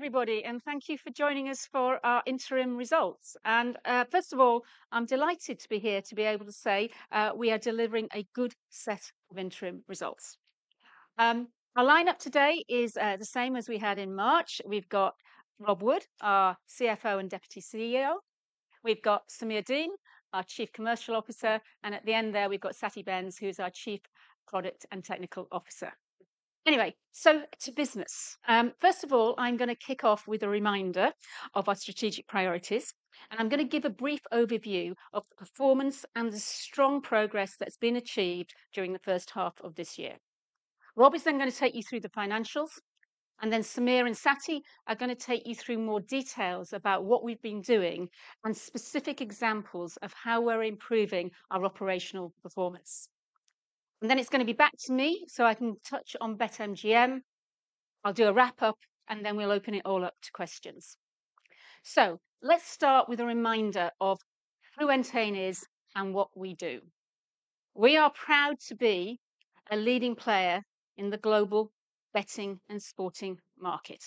Everybody, and thank you for joining us for our interim results. First of all, I'm delighted to be here to be able to say we are delivering a good set of interim results. Our lineup today is the same as we had in March. We've got Rob Wood, our CFO and Deputy CEO. We've got Sameer Deen, our Chief Commercial Officer. And at the end there, we've got Satty Bhens, who's our Chief Product and Technical Officer. Anyway, so to business. First of all, I'm going to kick off with a reminder of our strategic priorities, and I'm going to give a brief overview of the performance and the strong progress that's been achieved during the first half of this year. Rob is then going to take you through the financials, and then Sameer and Satty are going to take you through more details about what we've been doing and specific examples of how we're improving our operational performance. Then it's going to be back to me so I can touch on BetMGM. I'll do a wrap-up, and then we'll open it all up to questions. Let's start with a reminder of who Entain is and what we do. We are proud to be a leading player in the global betting and sporting market.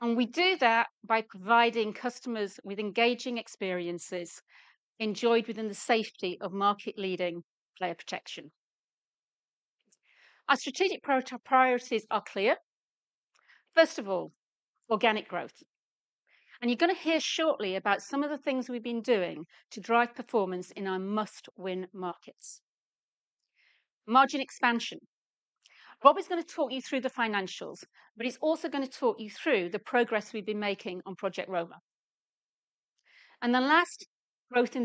We do that by providing customers with engaging experiences enjoyed within the safety of market-leading player protection. Our strategic priorities are clear. First of all, organic growth. You're going to hear shortly about some of the things we've been doing to drive performance in our must-win markets. Margin expansion. Rob is going to talk you through the financials, but he's also going to talk you through the progress we've been making on Project Roma. And then last, growth in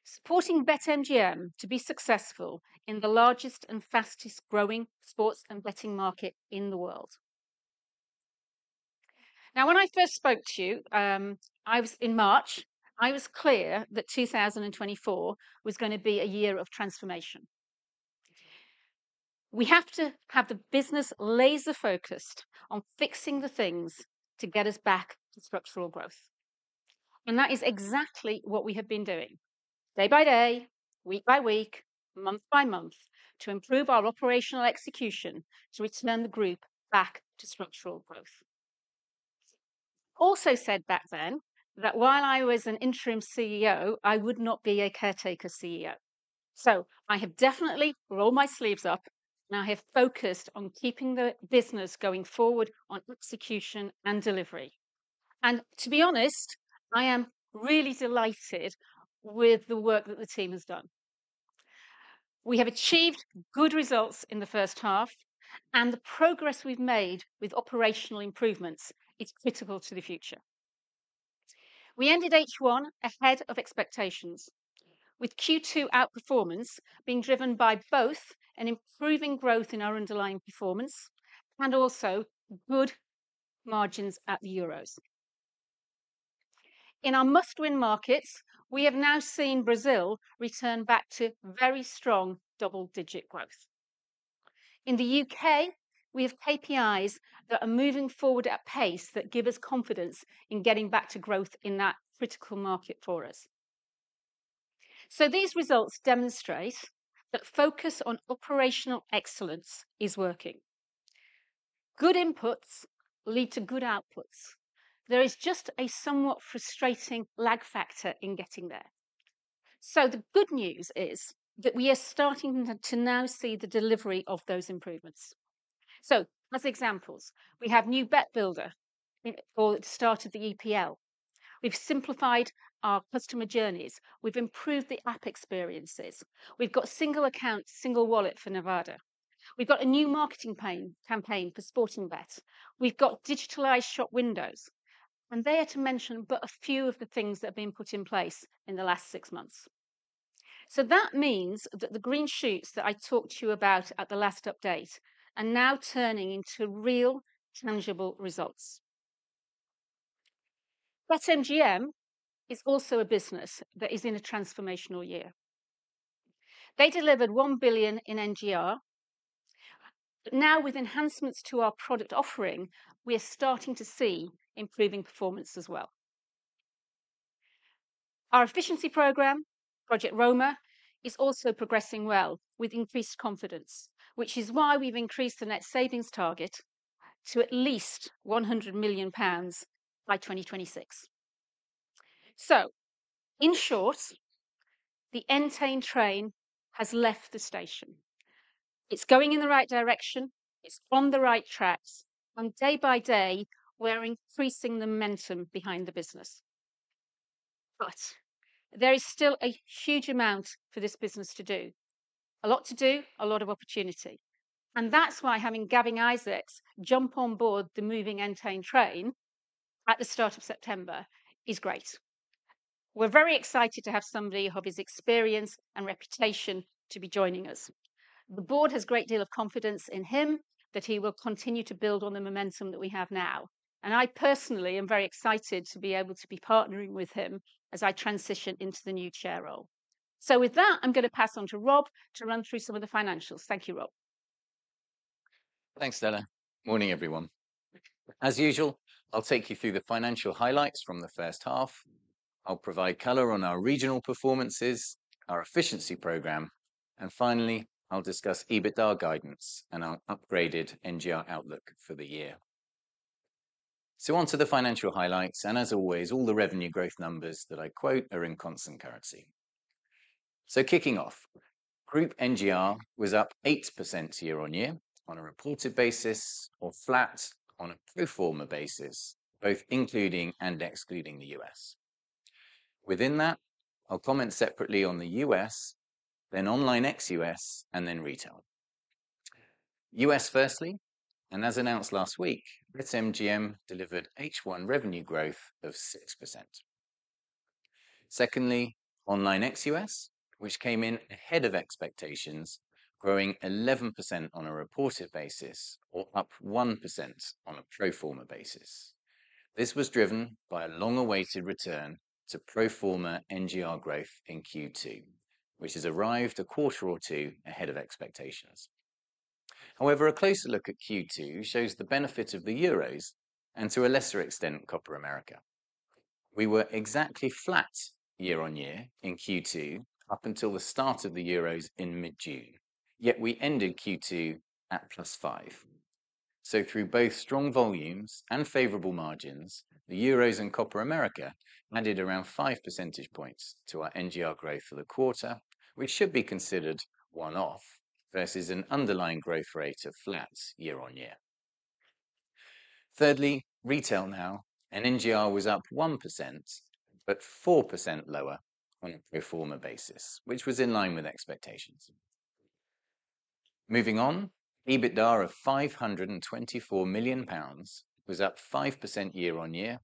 the USA. Supporting BetMGM to be successful in the largest and fastest-growing sports and betting market in the world. Now, when I first spoke to you, in March, I was clear that 2024 was going to be a year of transformation. We have to have the business laser-focused on fixing the things to get us back to structural growth. And that is exactly what we have been doing. Day by day, week by week, month by month, to improve our operational execution to return the group back to structural growth. Also said back then that while I was an interim CEO, I would not be a caretaker CEO. I have definitely rolled my sleeves up, and I have focused on keeping the business going forward on execution and delivery. To be honest, I am really delighted with the work that the team has done. We have achieved good results in the first half, and the progress we've made with operational improvements is critical to the future. We ended H1 ahead of expectations, with Q2 outperformance being driven by both an improving growth in our underlying performance and also good margins at the Euros. In our must-win markets, we have now seen Brazil return back to very strong double-digit growth. In the U.K., we have KPIs that are moving forward at a pace that give us confidence in getting back to growth in that critical market for us. These results demonstrate that focus on operational excellence is working. Good inputs lead to good outputs. There is just a somewhat frustrating lag factor in getting there. So the good news is that we are starting to now see the delivery of those improvements. So as examples, we have new BetBuilder for the start of the EPL. We've simplified our customer journeys. We've improved the app experiences. We've got single account, single wallet for Nevada. We've got a new marketing campaign for Sportingbet. We've got digitized shop windows. And, to mention but a few of the things that have been put in place in the last six months. So that means that the green shoots that I talked to you about at the last update are now turning into real tangible results. BetMGM is also a business that is in a transformational year. They delivered $1 billion in NGR. Now, with enhancements to our product offering, we are starting to see improving performance as well. Our efficiency program, Project Roma, is also progressing well with increased confidence, which is why we've increased the net savings target to at least 100 million pounds by 2026. So in short, the Entain train has left the station. It's going in the right direction. It's on the right tracks. And day by day, we're increasing the momentum behind the business. But there is still a huge amount for this business to do. A lot to do, a lot of opportunity. And that's why having Gavin Isaacs jump on board the moving Entain train at the start of September is great. We're very excited to have somebody of his experience and reputation to be joining us. The board has a great deal of confidence in him that he will continue to build on the momentum that we have now. I personally am very excited to be able to be partnering with him as I transition into the new chair role. With that, I'm going to pass on to Rob to run through some of the financials. Thank you, Rob. Thanks, Stella. Morning, everyone. As usual, I'll take you through the financial highlights from the first half. I'll provide color on our regional performances, our efficiency program, and finally, I'll discuss EBITDA guidance and our upgraded NGR outlook for the year. On to the financial highlights. As always, all the revenue growth numbers that I quote are in constant currency. So kicking off, Group NGR was up 8% year-on-year on a reported basis or flat on a pro forma basis, both including and excluding the U.S. Within that, I'll comment separately on the U.S., then online ex-U.S., and then retail. U.S. firstly, and as announced last week, BetMGM delivered H1 revenue growth of 6%. Secondly, online ex-U.S., which came in ahead of expectations, growing 11% on a reported basis or up 1% on a pro forma basis. This was driven by a long-awaited return to pro forma NGR growth in Q2, which has arrived a quarter or two ahead of expectations. However, a closer look at Q2 shows the benefit of the Euros and, to a lesser extent, Copa America. We were exactly flat year on year in Q2 up until the start of the Euros in mid-June, yet we ended Q2 at +5%. So through both strong volumes and favorable margins, the Euros and Copa America added around 5 percentage points to our NGR growth for the quarter, which should be considered one-off versus an underlying growth rate of flat year on year. Thirdly, retail now, and NGR was up 1% but 4% lower on a pro forma basis, which was in line with expectations. Moving on, EBITDA of 524 million pounds was up 5% year on year,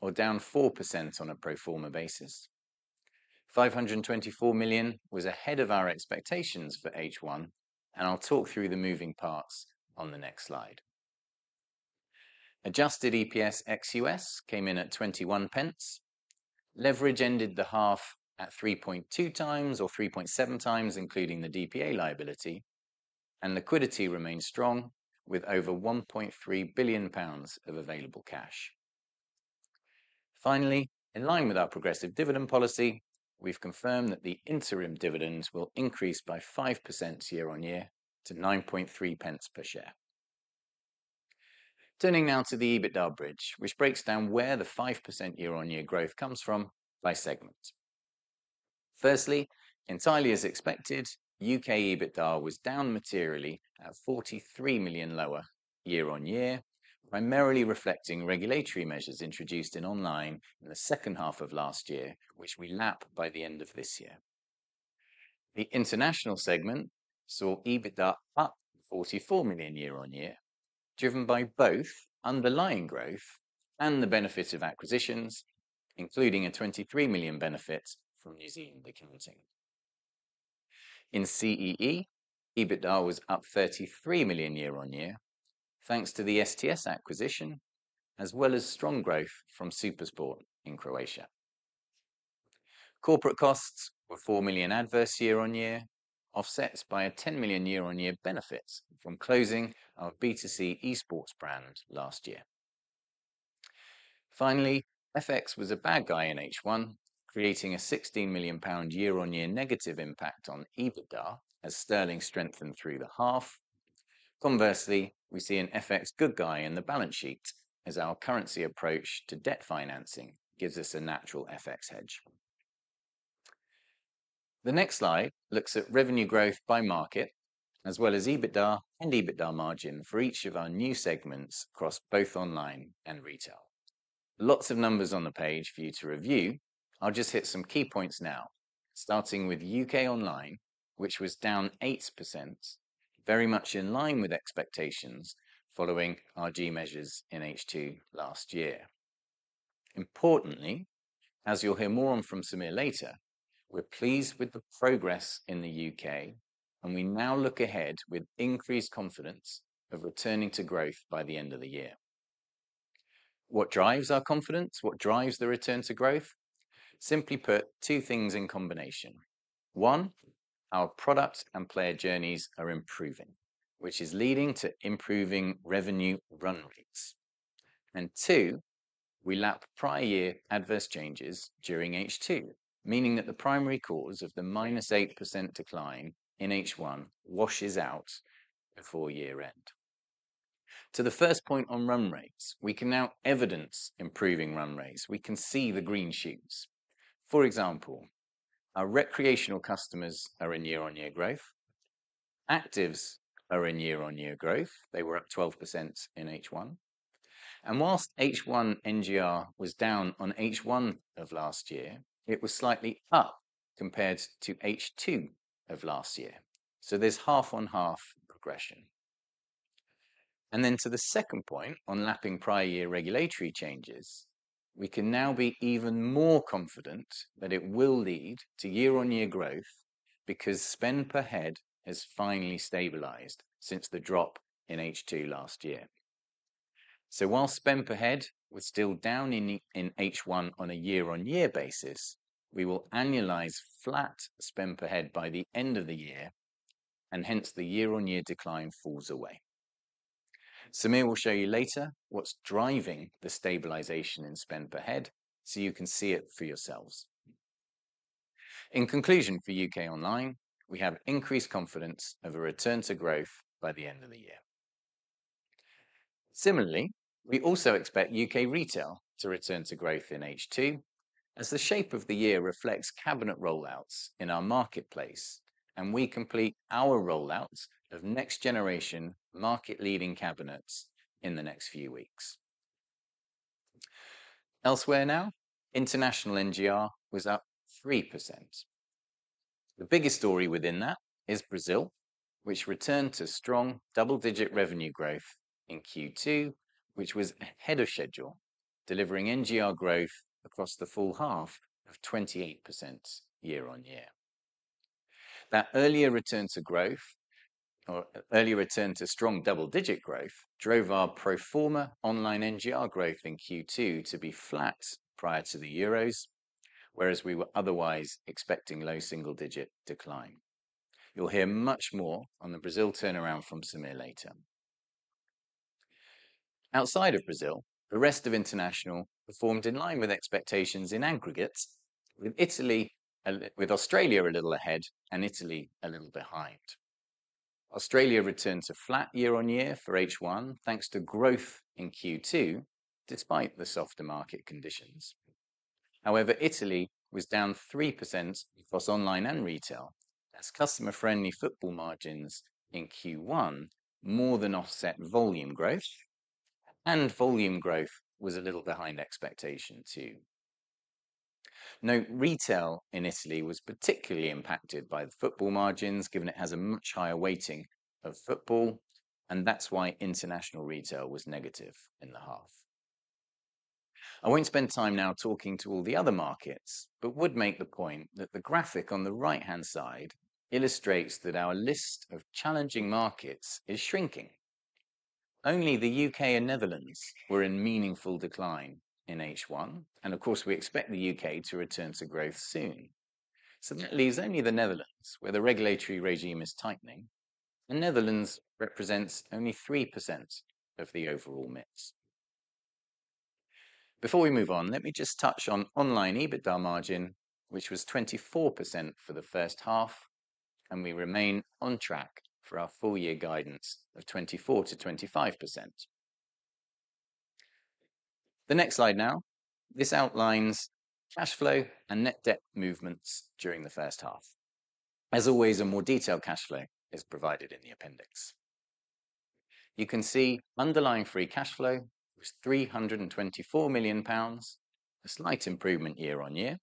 or down 4% on a pro forma basis. 524 million was ahead of our expectations for H1, and I'll talk through the moving parts on the next slide. Adjusted EPS ex-U.S. came in at 0.21. Leverage ended the half at 3.2x or 3.7x, including the DPA liability. Liquidity remained strong with over 1.3 billion pounds of available cash. Finally, in line with our progressive dividend policy, we've confirmed that the interim dividends will increase by 5% year-on-year to 0.093 per share. Turning now to the EBITDA bridge, which breaks down where the 5% year-on-year growth comes from by segment. Firstly, entirely as expected, U.K. EBITDA was down materially at 43 million lower year-on-year, primarily reflecting regulatory measures introduced in online in the second half of last year, which we lap by the end of this year. The international segment saw EBITDA up 44 million year-on-year, driven by both underlying growth and the benefits of acquisitions, including a 23 million benefit from New Zealand accounting. In CEE, EBITDA was up 33 million year-on-year, thanks to the STS acquisition, as well as strong growth from SuperSport in Croatia. Corporate costs were 4 million adverse year-on-year, offset by a 10 million year-on-year benefit from closing our B2C eSports brand last year. Finally, FX was a bad guy in H1, creating a £16 million year-on-year negative impact on EBITDA as sterling strengthened through the half. Conversely, we see an FX good guy in the balance sheet as our currency approach to debt financing gives us a natural FX hedge. The next slide looks at revenue growth by market, as well as EBITDA and EBITDA margin for each of our new segments across both online and retail. Lots of numbers on the page for you to review. I'll just hit some key points now, starting with U.K. online, which was down -8%, very much in line with expectations following RG measures in H2 last year. Importantly, as you'll hear more on from Sameer later, we're pleased with the progress in the U.K., and we now look ahead with increased confidence of returning to growth by the end of the year. What drives our confidence? What drives the return to growth? Simply put, two things in combination. One, our product and player journeys are improving, which is leading to improving revenue run rates. And two, we lap prior year adverse changes during H2, meaning that the primary cause of the -8% decline in H1 washes out before year-end. To the first point on run rates, we can now evidence improving run rates. We can see the green shoots. For example, our recreational customers are in year-on-year growth. Actives are in year-on-year growth. They were up 12% in H1. And whilst H1 NGR was down on H1 of last year, it was slightly up compared to H2 of last year. So there's half-on-half progression. And then to the second point on lapping prior year regulatory changes, we can now be even more confident that it will lead to year-on-year growth because spend per head has finally stabilized since the drop in H2 last year. So while spend per head was still down in H1 on a year-on-year basis, we will annualize flat spend per head by the end of the year, and hence the year-on-year decline falls away. Sameer will show you later what's driving the stabilization in spend per head so you can see it for yourselves. In conclusion for U.K. online, we have increased confidence of a return to growth by the end of the year. Similarly, we also expect U.K. retail to return to growth in H2 as the shape of the year reflects cabinet rollouts in our marketplace, and we complete our rollouts of next-generation market-leading cabinets in the next few weeks. Elsewhere now, international NGR was up 3%. The biggest story within that is Brazil, which returned to strong double-digit revenue growth in Q2, which was ahead of schedule, delivering NGR growth across the full half of 28% year-on-year. That earlier return to growth, or earlier return to strong double-digit growth, drove our pro forma online NGR growth in Q2 to be flat prior to the euros, whereas we were otherwise expecting low single-digit decline. You'll hear much more on the Brazil turnaround from Sameer later. Outside of Brazil, the rest of international performed in line with expectations in aggregates, with Australia a little ahead and Italy a little behind. Australia returned to flat year-on-year for H1 thanks to growth in Q2 despite the softer market conditions. However, Italy was down 3% across online and retail as customer-friendly football margins in Q1 more than offset volume growth, and volume growth was a little behind expectation too. Note retail in Italy was particularly impacted by the football margins, given it has a much higher weighting of football, and that's why international retail was negative in the half. I won't spend time now talking to all the other markets, but would make the point that the graphic on the right-hand side illustrates that our list of challenging markets is shrinking. Only the U.K. and Netherlands were in meaningful decline in H1, and of course, we expect the U.K. to return to growth soon. So that leaves only the Netherlands, where the regulatory regime is tightening, and Netherlands represents only 3% of the overall mix. Before we move on, let me just touch on online EBITDA margin, which was 24% for the first half, and we remain on track for our full-year guidance of 24%-25%. The next slide now, this outlines cash flow and net debt movements during the first half. As always, a more detailed cash flow is provided in the appendix. You can see underlying free cash flow was 324 million pounds, a slight improvement year-on-year.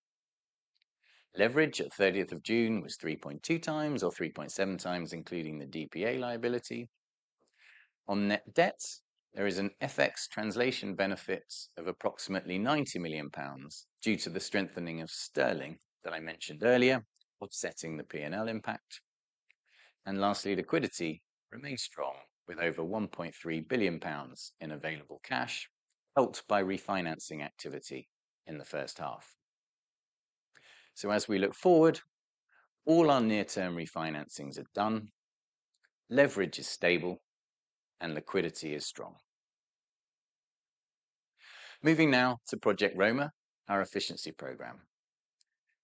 Leverage at 30th of June was 3.2x or 3.7x, including the DPA liability. On net debt, there is an FX translation benefit of approximately 90 million pounds due to the strengthening of sterling that I mentioned earlier, offsetting the P&L impact. Lastly, liquidity remains strong with over 1.3 billion pounds in available cash, helped by refinancing activity in the first half. As we look forward, all our near-term refinancings are done, leverage is stable, and liquidity is strong. Moving now to Project Roma, our efficiency program.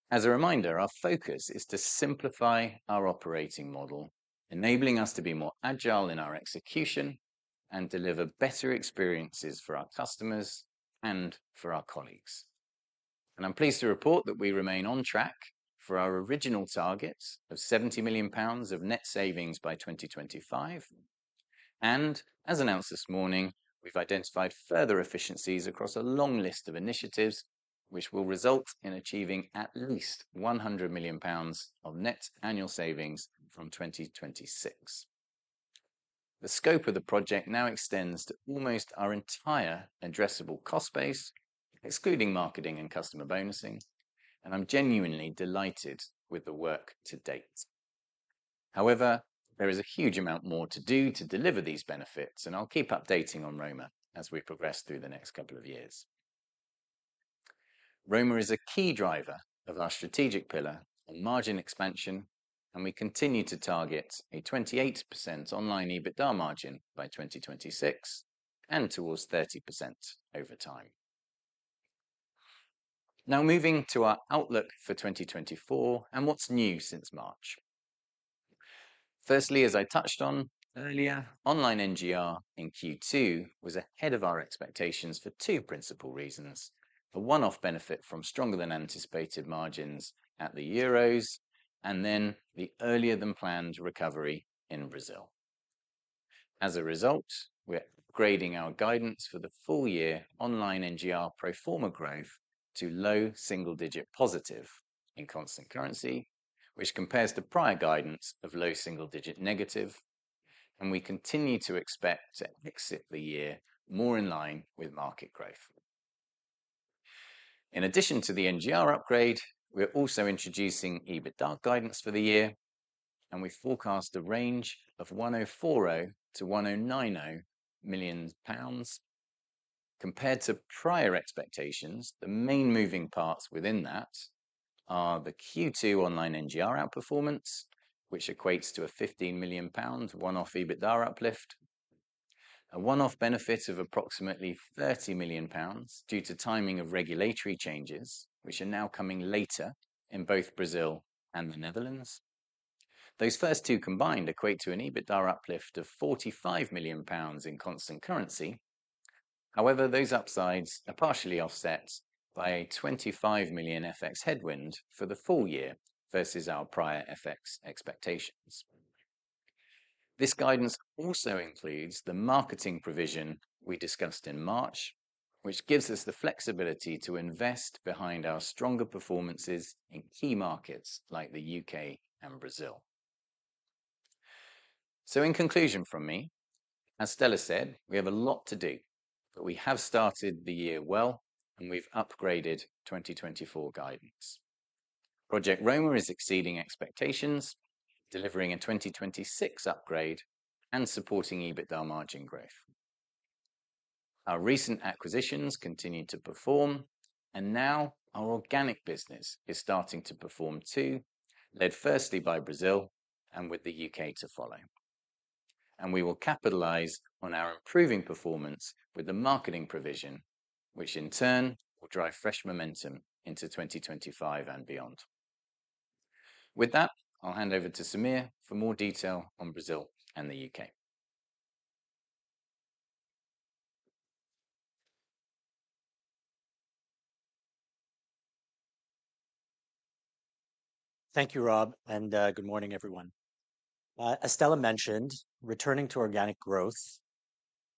As a reminder, our focus is to simplify our operating model, enabling us to be more agile in our execution and deliver better experiences for our customers and for our colleagues. And I'm pleased to report that we remain on track for our original target of 70 million pounds of net savings by 2025. As announced this morning, we've identified further efficiencies across a long list of initiatives, which will result in achieving at least 100 million pounds of net annual savings from 2026. The scope of the project now extends to almost our entire addressable cost base, excluding marketing and customer bonusing, and I'm genuinely delighted with the work to date. However, there is a huge amount more to do to deliver these benefits, and I'll keep updating on Roma as we progress through the next couple of years. Roma is a key driver of our strategic pillar and margin expansion, and we continue to target a 28% online EBITDA margin by 2026 and towards 30% over time. Now moving to our outlook for 2024 and what's new since March. Firstly, as I touched on earlier, online NGR in Q2 was ahead of our expectations for two principal reasons: a one-off benefit from stronger-than-anticipated margins at the euros and then the earlier-than-planned recovery in Brazil. As a result, we're upgrading our guidance for the full-year online NGR pro forma growth to low single-digit positive in constant currency, which compares to prior guidance of low single-digit negative, and we continue to expect to exit the year more in line with market growth. In addition to the NGR upgrade, we're also introducing EBITDA guidance for the year, and we forecast a range of 104 million-109 million pounds. Compared to prior expectations, the main moving parts within that are the Q2 online NGR outperformance, which equates to a 15 million pound one-off EBITDA uplift, a one-off benefit of approximately 30 million pounds due to timing of regulatory changes, which are now coming later in both Brazil and the Netherlands. Those first two combined equate to an EBITDA uplift of 45 million pounds in constant currency. However, those upsides are partially offset by a 25 million FX headwind for the full year versus our prior FX expectations. This guidance also includes the marketing provision we discussed in March, which gives us the flexibility to invest behind our stronger performances in key markets like the U.K. and Brazil. So in conclusion from me, as Stella said, we have a lot to do, but we have started the year well, and we've upgraded 2024 guidance. Project Roma is exceeding expectations, delivering a 2026 upgrade and supporting EBITDA margin growth. Our recent acquisitions continue to perform, and now our organic business is starting to perform too, led firstly by Brazil and with the U.K. to follow. We will capitalize on our improving performance with the marketing provision, which in turn will drive fresh momentum into 2025 and beyond. With that, I'll hand over to Sameer for more detail on Brazil and the U.K. Thank you, Rob, and good morning, everyone. As Stella mentioned, returning to organic growth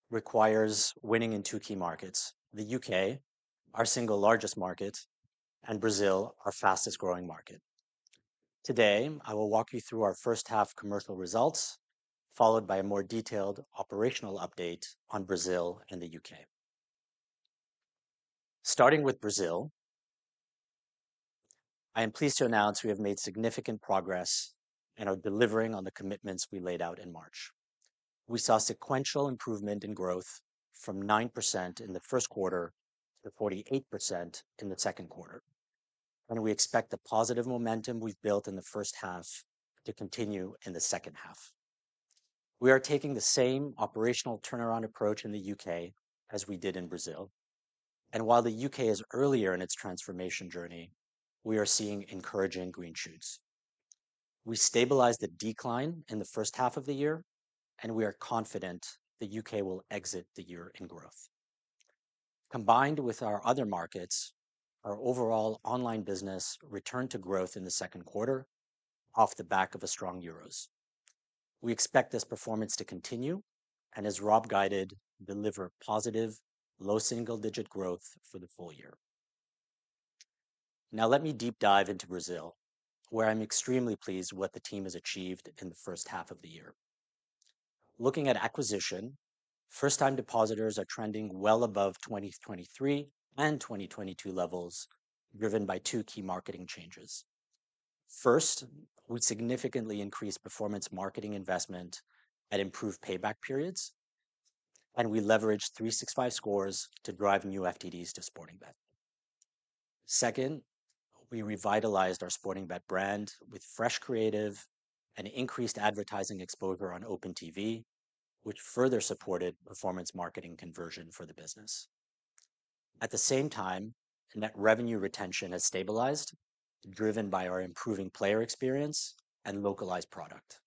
requires winning in two key markets: the U.K., our single largest market, and Brazil, our fastest growing market. Today, I will walk you through our first half commercial results, followed by a more detailed operational update on Brazil and the U.K. Starting with Brazil, I am pleased to announce we have made significant progress and are delivering on the commitments we laid out in March. We saw sequential improvement in growth from 9% in the first quarter to 48% in the second quarter, and we expect the positive momentum we've built in the first half to continue in the second half. We are taking the same operational turnaround approach in the U.K. as we did in Brazil, and while the U.K. is earlier in its transformation journey, we are seeing encouraging green shoots. We stabilized the decline in the first half of the year, and we are confident the U.K. will exit the year in growth. Combined with our other markets, our overall online business returned to growth in the second quarter off the back of a strong euros. We expect this performance to continue and, as Rob guided, deliver positive, low single-digit growth for the full year. Now let me deep dive into Brazil, where I'm extremely pleased with what the team has achieved in the first half of the year. Looking at acquisition, first-time depositors are trending well above 2023 and 2022 levels, driven by two key marketing changes. First, we significantly increased performance marketing investment and improved payback periods, and we leveraged 365Scores to drive new FTDs to Sportingbet. Second, we revitalized our Sportingbet brand with fresh creative and increased advertising exposure on open TV, which further supported performance marketing conversion for the business. At the same time, net revenue retention has stabilized, driven by our improving player experience and localized product.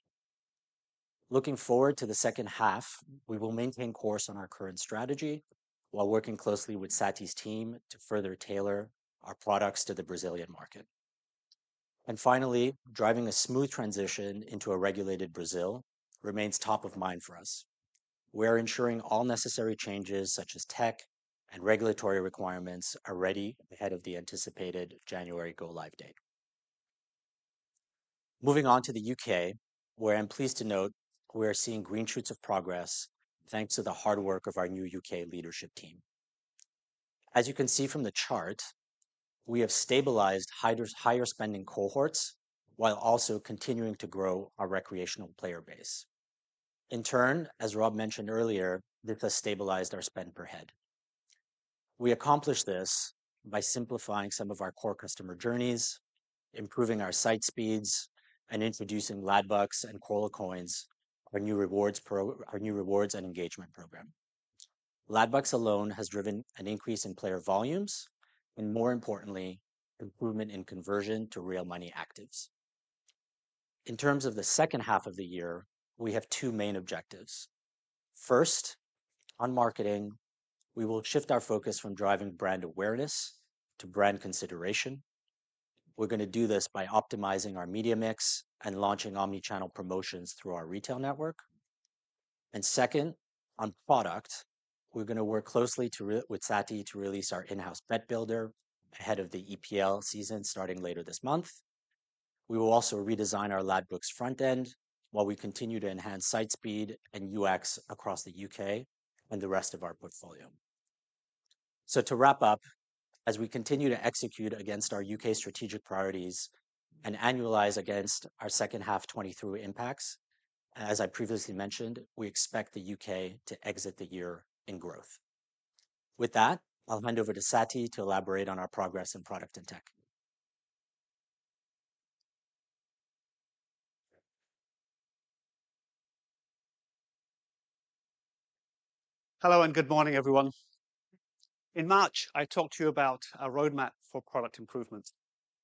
Looking forward to the second half, we will maintain course on our current strategy while working closely with Satty's team to further tailor our products to the Brazilian market. And finally, driving a smooth transition into a regulated Brazil remains top of mind for us. We're ensuring all necessary changes, such as tech and regulatory requirements, are ready ahead of the anticipated January go-live date. Moving on to the U.K., where I'm pleased to note we are seeing green shoots of progress thanks to the hard work of our new U.K. leadership team. As you can see from the chart, we have stabilized higher spending cohorts while also continuing to grow our recreational player base. In turn, as Rob mentioned earlier, this has stabilized our spend per head. We accomplish this by simplifying some of our core customer journeys, improving our site speeds, and introducing Ladbrokes and Coral Coins, our new rewards and engagement program. Ladbrokes alone has driven an increase in player volumes and, more importantly, improvement in conversion to real money actives. In terms of the second half of the year, we have two main objectives. First, on marketing, we will shift our focus from driving brand awareness to brand consideration. We're going to do this by optimizing our media mix and launching omnichannel promotions through our retail network. And second, on product, we're going to work closely with Satty to release our in-house bet builder ahead of the EPL season starting later this month. We will also redesign our Ladbrokes front end while we continue to enhance site speed and UX across the U.K. and the rest of our portfolio. So to wrap up, as we continue to execute against our U.K. strategic priorities and annualize against our second half 2023 impacts, as I previously mentioned, we expect the U.K. to exit the year in growth. With that, I'll hand over to Satty to elaborate on our progress in product and tech. Hello and good morning, everyone. In March, I talked to you about our roadmap for product improvement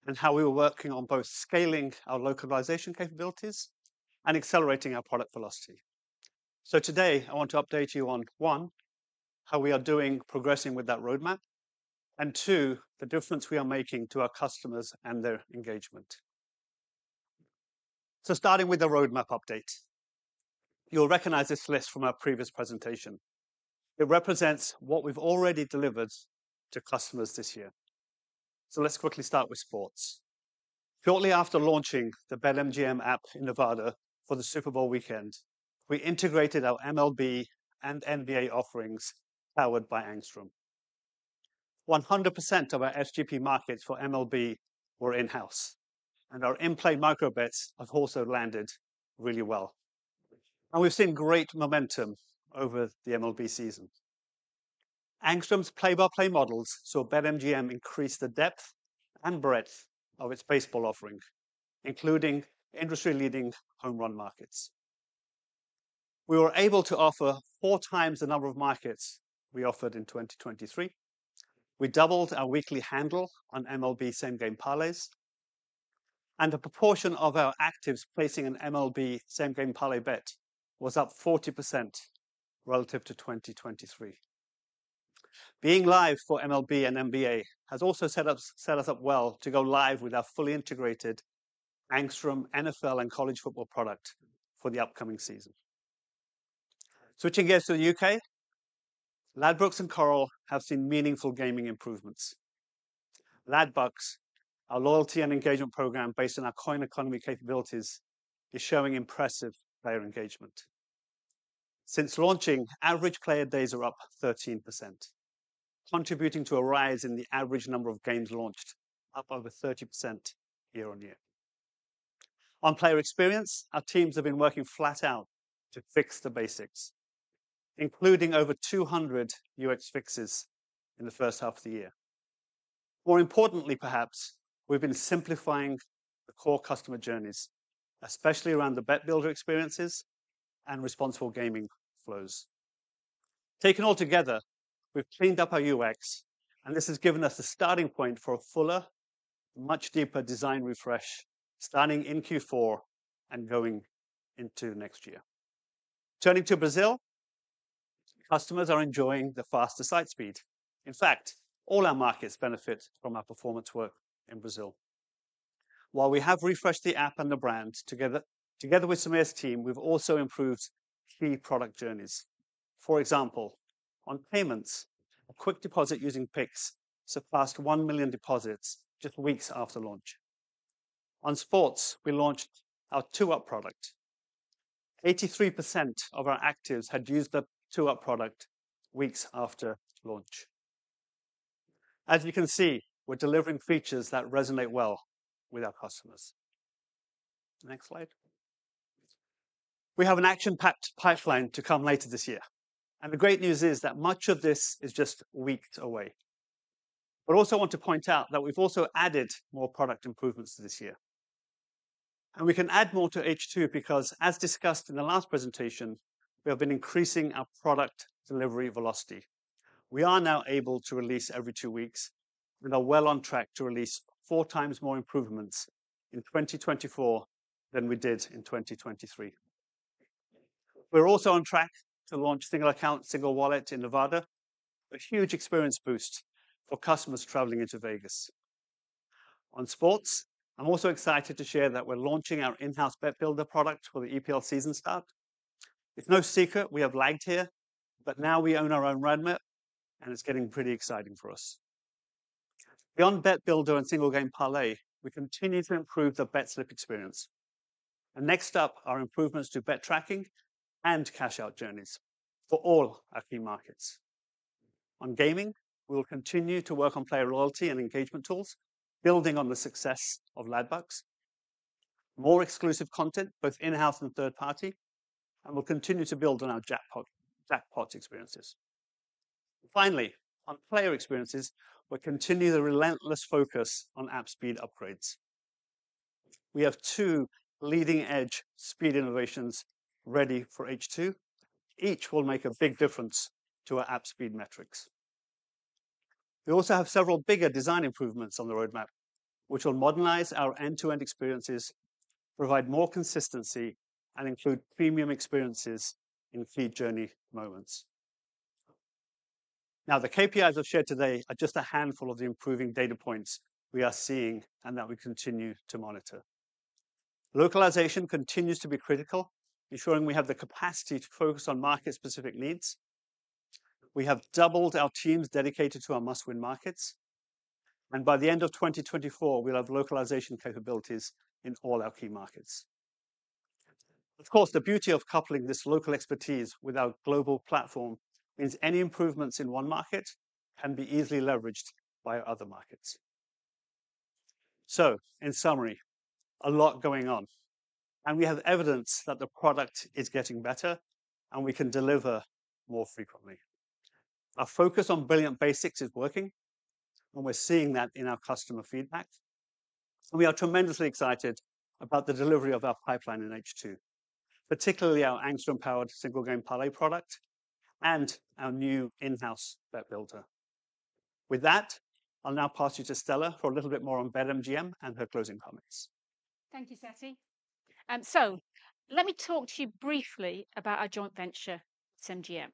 and how we were working on both scaling our localization capabilities and accelerating our product velocity. So today, I want to update you on, one, how we are doing progressing with that roadmap, and two, the difference we are making to our customers and their engagement. So starting with the roadmap update, you'll recognize this list from our previous presentation. It represents what we've already delivered to customers this year. So let's quickly start with sports. Shortly after launching the BetMGM app in Nevada for the Super Bowl weekend, we integrated our MLB and NBA offerings powered by Angstrom. 100% of our SGP markets for MLB were in-house, and our in-play micro bets have also landed really well. We've seen great momentum over the MLB season. Angstrom's play-by-play models saw BetMGM increase the depth and breadth of its baseball offering, including industry-leading home run markets. We were able to offer 4x the number of markets we offered in 2023. We doubled our weekly handle on MLB same-game parlays, and the proportion of our actives placing an MLB same-game parlay bet was up 40% relative to 2023. Being live for MLB and NBA has also set us up well to go live with our fully integrated Angstrom NFL and college football product for the upcoming season. Switching gears to the U.K., Ladbrokes and Coral have seen meaningful gaming improvements. Ladbrokes, our loyalty and engagement program based on our coin economy capabilities, is showing impressive player engagement. Since launching, average player days are up 13%, contributing to a rise in the average number of games launched, up over 30% year-on-year. On player experience, our teams have been working flat out to fix the basics, including over 200 UX fixes in the first half of the year. More importantly, perhaps, we've been simplifying the core customer journeys, especially around the bet builder experiences and responsible gaming flows. Taken all together, we've cleaned up our UX, and this has given us a starting point for a fuller, much deeper design refresh starting in Q4 and going into next year. Turning to Brazil, customers are enjoying the faster site speed. In fact, all our markets benefit from our performance work in Brazil. While we have refreshed the app and the brand together with Sameer's team, we've also improved key product journeys. For example, on payments, a quick deposit using Pix surpassed 1 million deposits just weeks after launch. On sports, we launched our Two-up product. 83% of our actives had used the Two-up product weeks after launch. As you can see, we're delivering features that resonate well with our customers. Next slide. We have an action-packed pipeline to come later this year, and the great news is that much of this is just weeks away. But I also want to point out that we've also added more product improvements to this year. And we can add more to H2 because, as discussed in the last presentation, we have been increasing our product delivery velocity. We are now able to release every two weeks and are well on track to release four times more improvements in 2024 than we did in 2023. We're also on track to launch single account, single wallet in Nevada, a huge experience boost for customers traveling into Vegas. On sports, I'm also excited to share that we're launching our in-house BetBuilder product for the EPL season start. It's no secret we have lagged here, but now we own our own roadmap, and it's getting pretty exciting for us. Beyond BetBuilder and single-game parlays, we continue to improve the bet slip experience. Next up are improvements to bet tracking and cash-out journeys for all our key markets. On gaming, we will continue to work on player loyalty and engagement tools, building on the success of Ladbrokes. More exclusive content, both in-house and third-party, and we'll continue to build on our jackpot experiences. Finally, on player experiences, we'll continue the relentless focus on app speed upgrades. We have two leading-edge speed innovations ready for H2. Each will make a big difference to our app speed metrics. We also have several bigger design improvements on the roadmap, which will modernize our end-to-end experiences, provide more consistency, and include premium experiences in key journey moments. Now, the KPIs I've shared today are just a handful of the improving data points we are seeing and that we continue to monitor. Localization continues to be critical, ensuring we have the capacity to focus on market-specific needs. We have doubled our teams dedicated to our must-win markets, and by the end of 2024, we'll have localization capabilities in all our key markets. Of course, the beauty of coupling this local expertise with our global platform means any improvements in one market can be easily leveraged by other markets. So, in summary, a lot going on, and we have evidence that the product is getting better and we can deliver more frequently. Our focus on brilliant basics is working, and we're seeing that in our customer feedback. And we are tremendously excited about the delivery of our pipeline in H2, particularly our Angstrom-powered single-game parlays product and our new in-house bet builder. With that, I'll now pass you to Stella for a little bit more on BetMGM and her closing comments. Thank you, Satty. So, let me talk to you briefly about our joint venture, BetMGM.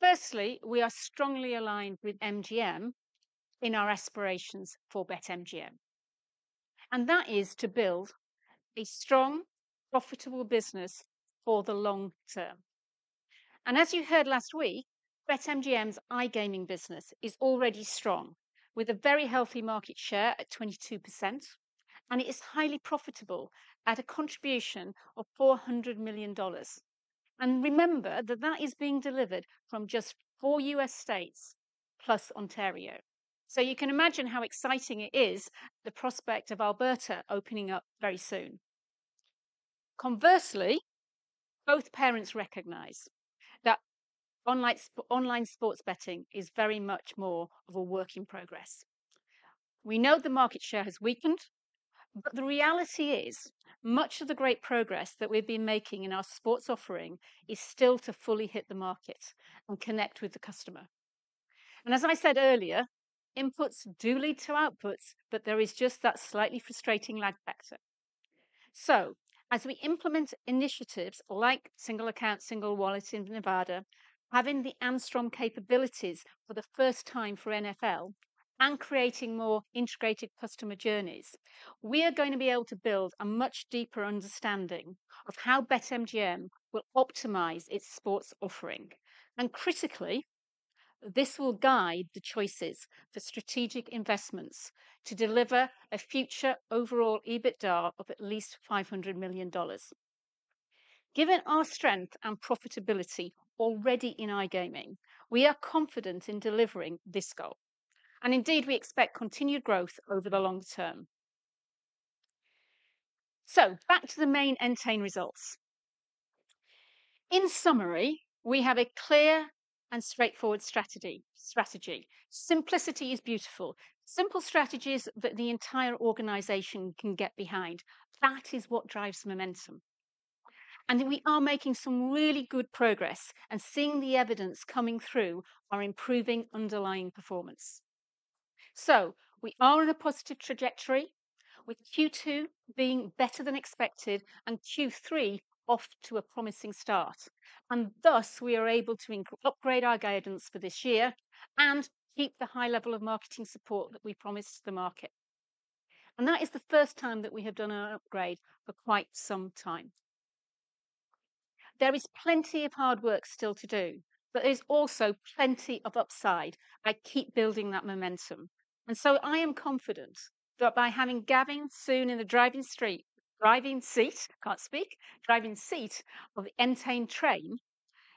Firstly, we are strongly aligned with MGM in our aspirations for BetMGM. And that is to build a strong, profitable business for the long term. As you heard last week, BetMGM's iGaming business is already strong, with a very healthy market share at 22%, and it is highly profitable at a contribution of $400 million. Remember that that is being delivered from just four U.S. states plus Ontario. So you can imagine how exciting it is, the prospect of Alberta opening up very soon. Conversely, both parents recognize that online sports betting is very much more of a work in progress. We know the market share has weakened, but the reality is much of the great progress that we've been making in our sports offering is still to fully hit the market and connect with the customer. As I said earlier, inputs do lead to outputs, but there is just that slightly frustrating lag factor. So, as we implement initiatives like single account, single wallet in Nevada, having the Angstrom capabilities for the first time for NFL, and creating more integrated customer journeys, we are going to be able to build a much deeper understanding of how BetMGM will optimize its sports offering. And critically, this will guide the choices for strategic investments to deliver a future overall EBITDA of at least $500 million. Given our strength and profitability already in iGaming, we are confident in delivering this goal. And indeed, we expect continued growth over the long term. So, back to the main end-to-end results. In summary, we have a clear and straightforward strategy. Simplicity is beautiful. Simple strategies that the entire organization can get behind. That is what drives momentum. And we are making some really good progress and seeing the evidence coming through our improving underlying performance. So, we are on a positive trajectory, with Q2 being better than expected and Q3 off to a promising start. Thus, we are able to upgrade our guidance for this year and keep the high level of marketing support that we promised the market. That is the first time that we have done an upgrade for quite some time. There is plenty of hard work still to do, but there is also plenty of upside. I keep building that momentum. So, I am confident that by having Gavin soon in the driving seat, I can't speak, driving seat of the end-to-end train,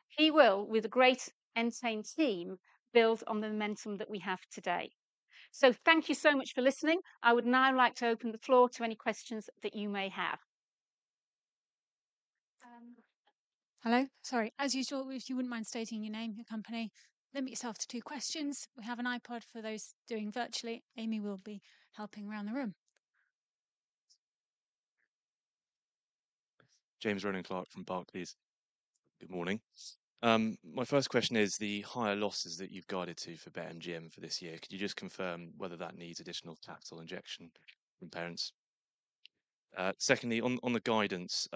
he will, with a great end-to-end team, build on the momentum that we have today. So, thank you so much for listening. I would now like to open the floor to any questions that you may have. Hello. Sorry. As usual, if you wouldn't mind stating your name and your company, limit yourself to two questions. We have an iPad for those doing virtually. Amy will be helping around the room. James Rowland Clark from Barclays. Good morning. My first question is the higher losses that you've guided to for BetMGM for this year. Could you just confirm whether that needs additional cash or injection from parents? Secondly, on the guidance,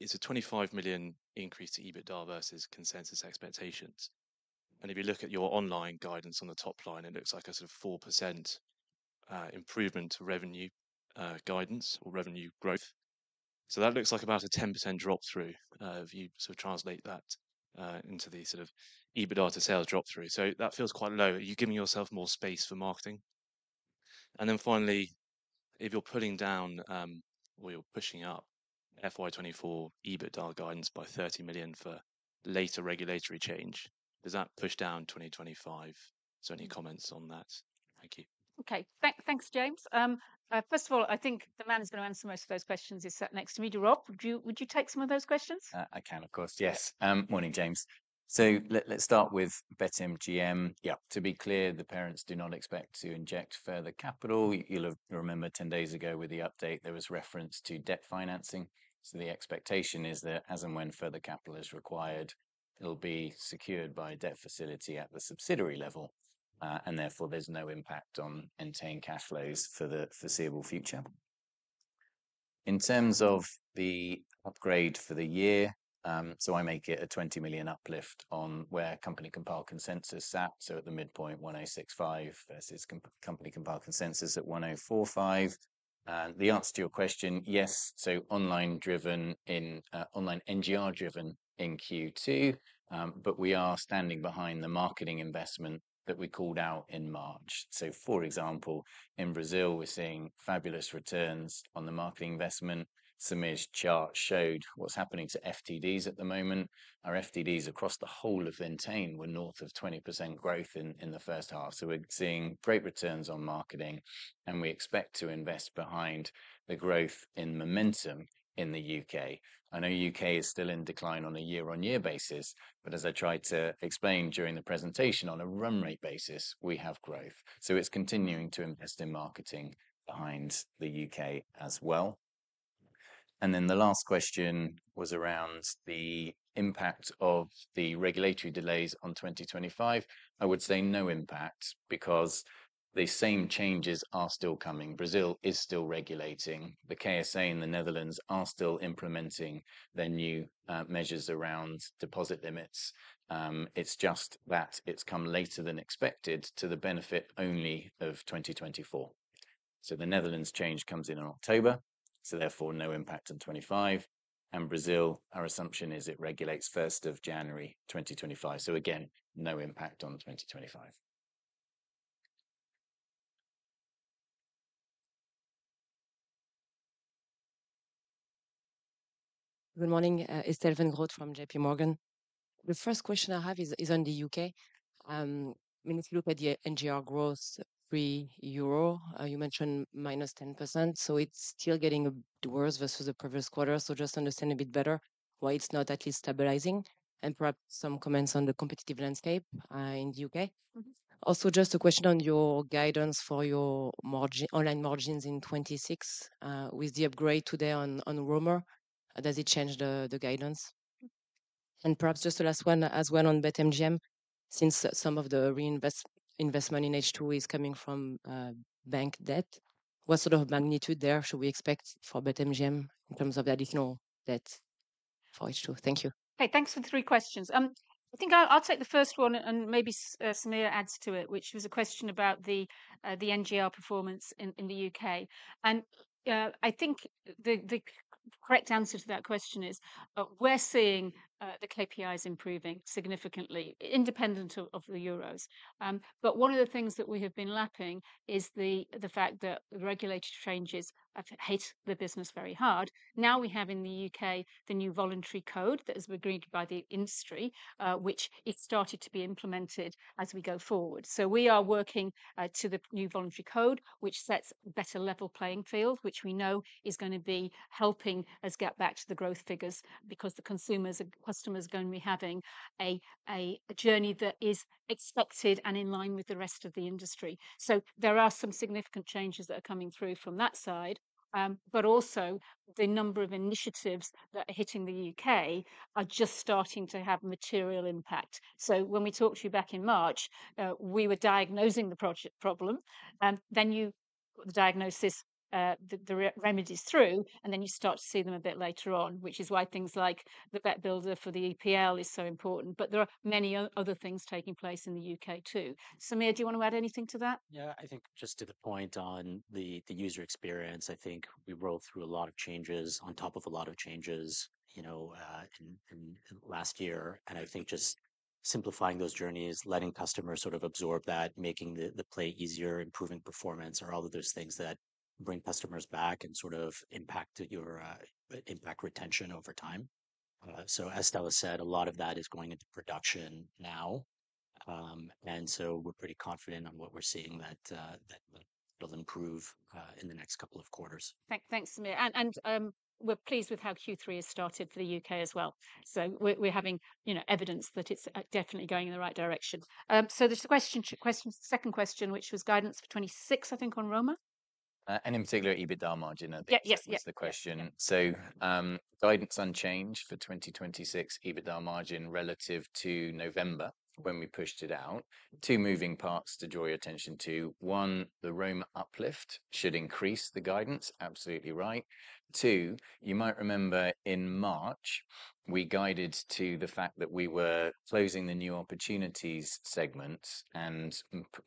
it's a 25 million increase to EBITDA versus consensus expectations. And if you look at your online guidance on the top line, it looks like a sort of 4% improvement to revenue guidance or revenue growth. So that looks like about a 10% drop through if you sort of translate that into the sort of EBITDA to sales drop through. So that feels quite low. Are you giving yourself more space for marketing? And then finally, if you're pulling down or you're pushing up FY 2024 EBITDA guidance by 30 million for later regulatory change, does that push down 2025? So any comments on that? Thank you. Okay. Thanks, James. First of all, I think the man who's going to answer most of those questions is sat next to me, Rob. Would you take some of those questions? I can, of course. Yes. Morning, James. So let's start with BetMGM. Yeah, to be clear, the parents do not expect to inject further capital. You'll remember 10 days ago with the update, there was reference to debt financing. So the expectation is that as and when further capital is required, it'll be secured by a debt facility at the subsidiary level. And therefore, there's no impact on end-to-end cash flows for the foreseeable future. In terms of the upgrade for the year, so I make it a 20 million uplift on where company-compiled consensus sat. So at the midpoint, 1,065 versus company-compiled consensus at 1,045. And the answer to your question, yes, so online driven in online NGR driven in Q2, but we are standing behind the marketing investment that we called out in March. So, for example, in Brazil, we're seeing fabulous returns on the marketing investment. Sameer's chart showed what's happening to FTDs at the moment. Our FTDs across the whole of Entain were north of 20% growth in the first half. So we're seeing great returns on marketing, and we expect to invest behind the growth in momentum in the U.K. I know U.K. is still in decline on a year-on-year basis, but as I tried to explain during the presentation, on a run rate basis, we have growth. So it's continuing to invest in marketing behind the U.K. as well. And then the last question was around the impact of the regulatory delays on 2025. I would say no impact because the same changes are still coming. Brazil is still regulating. The KSA and the Netherlands are still implementing their new measures around deposit limits. It's just that it's come later than expected to the benefit only of 2024. So the Netherlands change comes in in October, so therefore no impact in 2025. And Brazil, our assumption is it regulates 1st of January 2025. So again, no impact on 2025. Good morning, Estelle Weingrod from J.P. Morgan. The first question I have is on the U.K. I mean, if you look at the NGR growth in Europe, you mentioned -10%. So it's still getting worse versus the previous quarter. So just understand a bit better why it's not at least stabilizing and perhaps some comments on the competitive landscape in the U.K. Also, just a question on your guidance for your online margins in 2026 with the upgrade today on revenue. Does it change the guidance? And perhaps just the last one as well on BetMGM, since some of the reinvestment in H2 is coming from bank debt, what sort of magnitude there should we expect for BetMGM in terms of the additional debt for H2? Thank you. Okay, thanks for the three questions. I think I'll take the first one and maybe Sameer adds to it, which was a question about the NGR performance in the U.K. I think the correct answer to that question is we're seeing the KPIs improving significantly independent of the euros. But one of the things that we have been lapping is the fact that the regulatory changes have hit the business very hard. Now we have in the U.K. the new voluntary code that has been agreed by the industry, which it started to be implemented as we go forward. So we are working to the new voluntary code, which sets a better level playing field, which we know is going to be helping us get back to the growth figures because the consumers and customers are going to be having a journey that is expected and in line with the rest of the industry. So there are some significant changes that are coming through from that side, but also the number of initiatives that are hitting the U.K. are just starting to have material impact. So when we talked to you back in March, we were diagnosing the problem, and then you got the diagnosis, the remedies through, and then you start to see them a bit later on, which is why things like the bet builder for the EPL is so important. But there are many other things taking place in the U.K. too. Sameer, do you want to add anything to that? Yeah, I think just to the point on the user experience, I think we rolled through a lot of changes on top of a lot of changes, you know, in last year. I think just simplifying those journeys, letting customers sort of absorb that, making the play easier, improving performance, are all of those things that bring customers back and sort of impact your impact retention over time. So as Stella said, a lot of that is going into production now. And so we're pretty confident on what we're seeing that will improve in the next couple of quarters. Thanks, Sameer. And we're pleased with how Q3 has started for the U.K. as well. So we're having evidence that it's definitely going in the right direction. So there's a question, second question, which was guidance for 2026, I think, on Roma? And in particular, EBITDA margin. Yes, yes, yes. That's the question. So guidance unchanged for 2026 EBITDA margin relative to November when we pushed it out. Two moving parts to draw your attention to. One, the Roma uplift should increase the guidance. Absolutely right. Two, you might remember in March, we guided to the fact that we were closing the New Opportunities segments and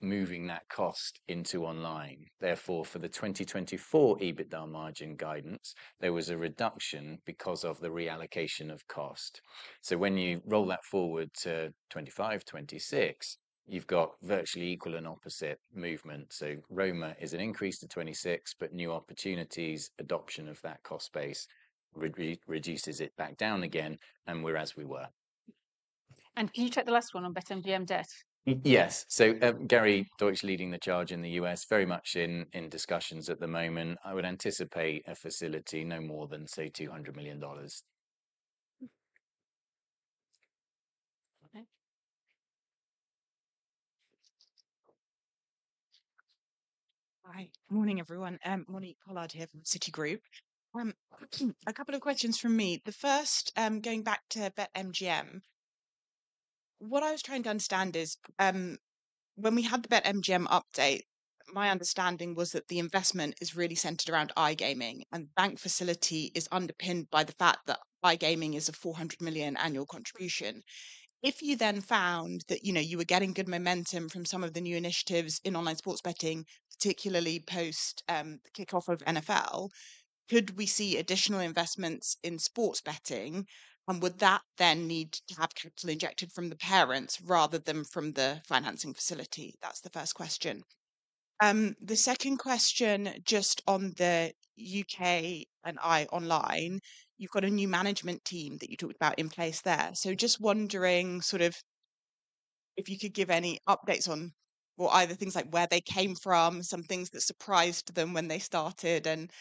moving that cost into online. Therefore, for the 2024 EBITDA margin guidance, there was a reduction because of the reallocation of cost. So when you roll that forward to 2025, 2026, you've got virtually equal and opposite movement. So Roma is an increase to 2026, but New Opportunities, adoption of that cost base reduces it back down again, and we're as we were. And can you take the last one on BetMGM debt? Yes. So Gary Deutsch leading the charge in the U.S., very much in discussions at the moment. I would anticipate a facility no more than, say, $200 million. Hi, good morning, everyone. Monique Pollard here from Citi. A couple of questions from me. The first, going back to BetMGM, what I was trying to understand is when we had the BetMGM update, my understanding was that the investment is really centered around iGaming, and the bank facility is underpinned by the fact that iGaming is a $400 million annual contribution. If you then found that you were getting good momentum from some of the new initiatives in online sports betting, particularly post the kickoff of NFL, could we see additional investments in sports betting? And would that then need to have capital injected from the parents rather than from the financing facility? That's the first question. The second question, just on the U.K. and Ireland online, you've got a new management team that you talked about in place there. So, just wondering sort of if you could give any updates on, well, either things like where they came from, some things that surprised them when they started, and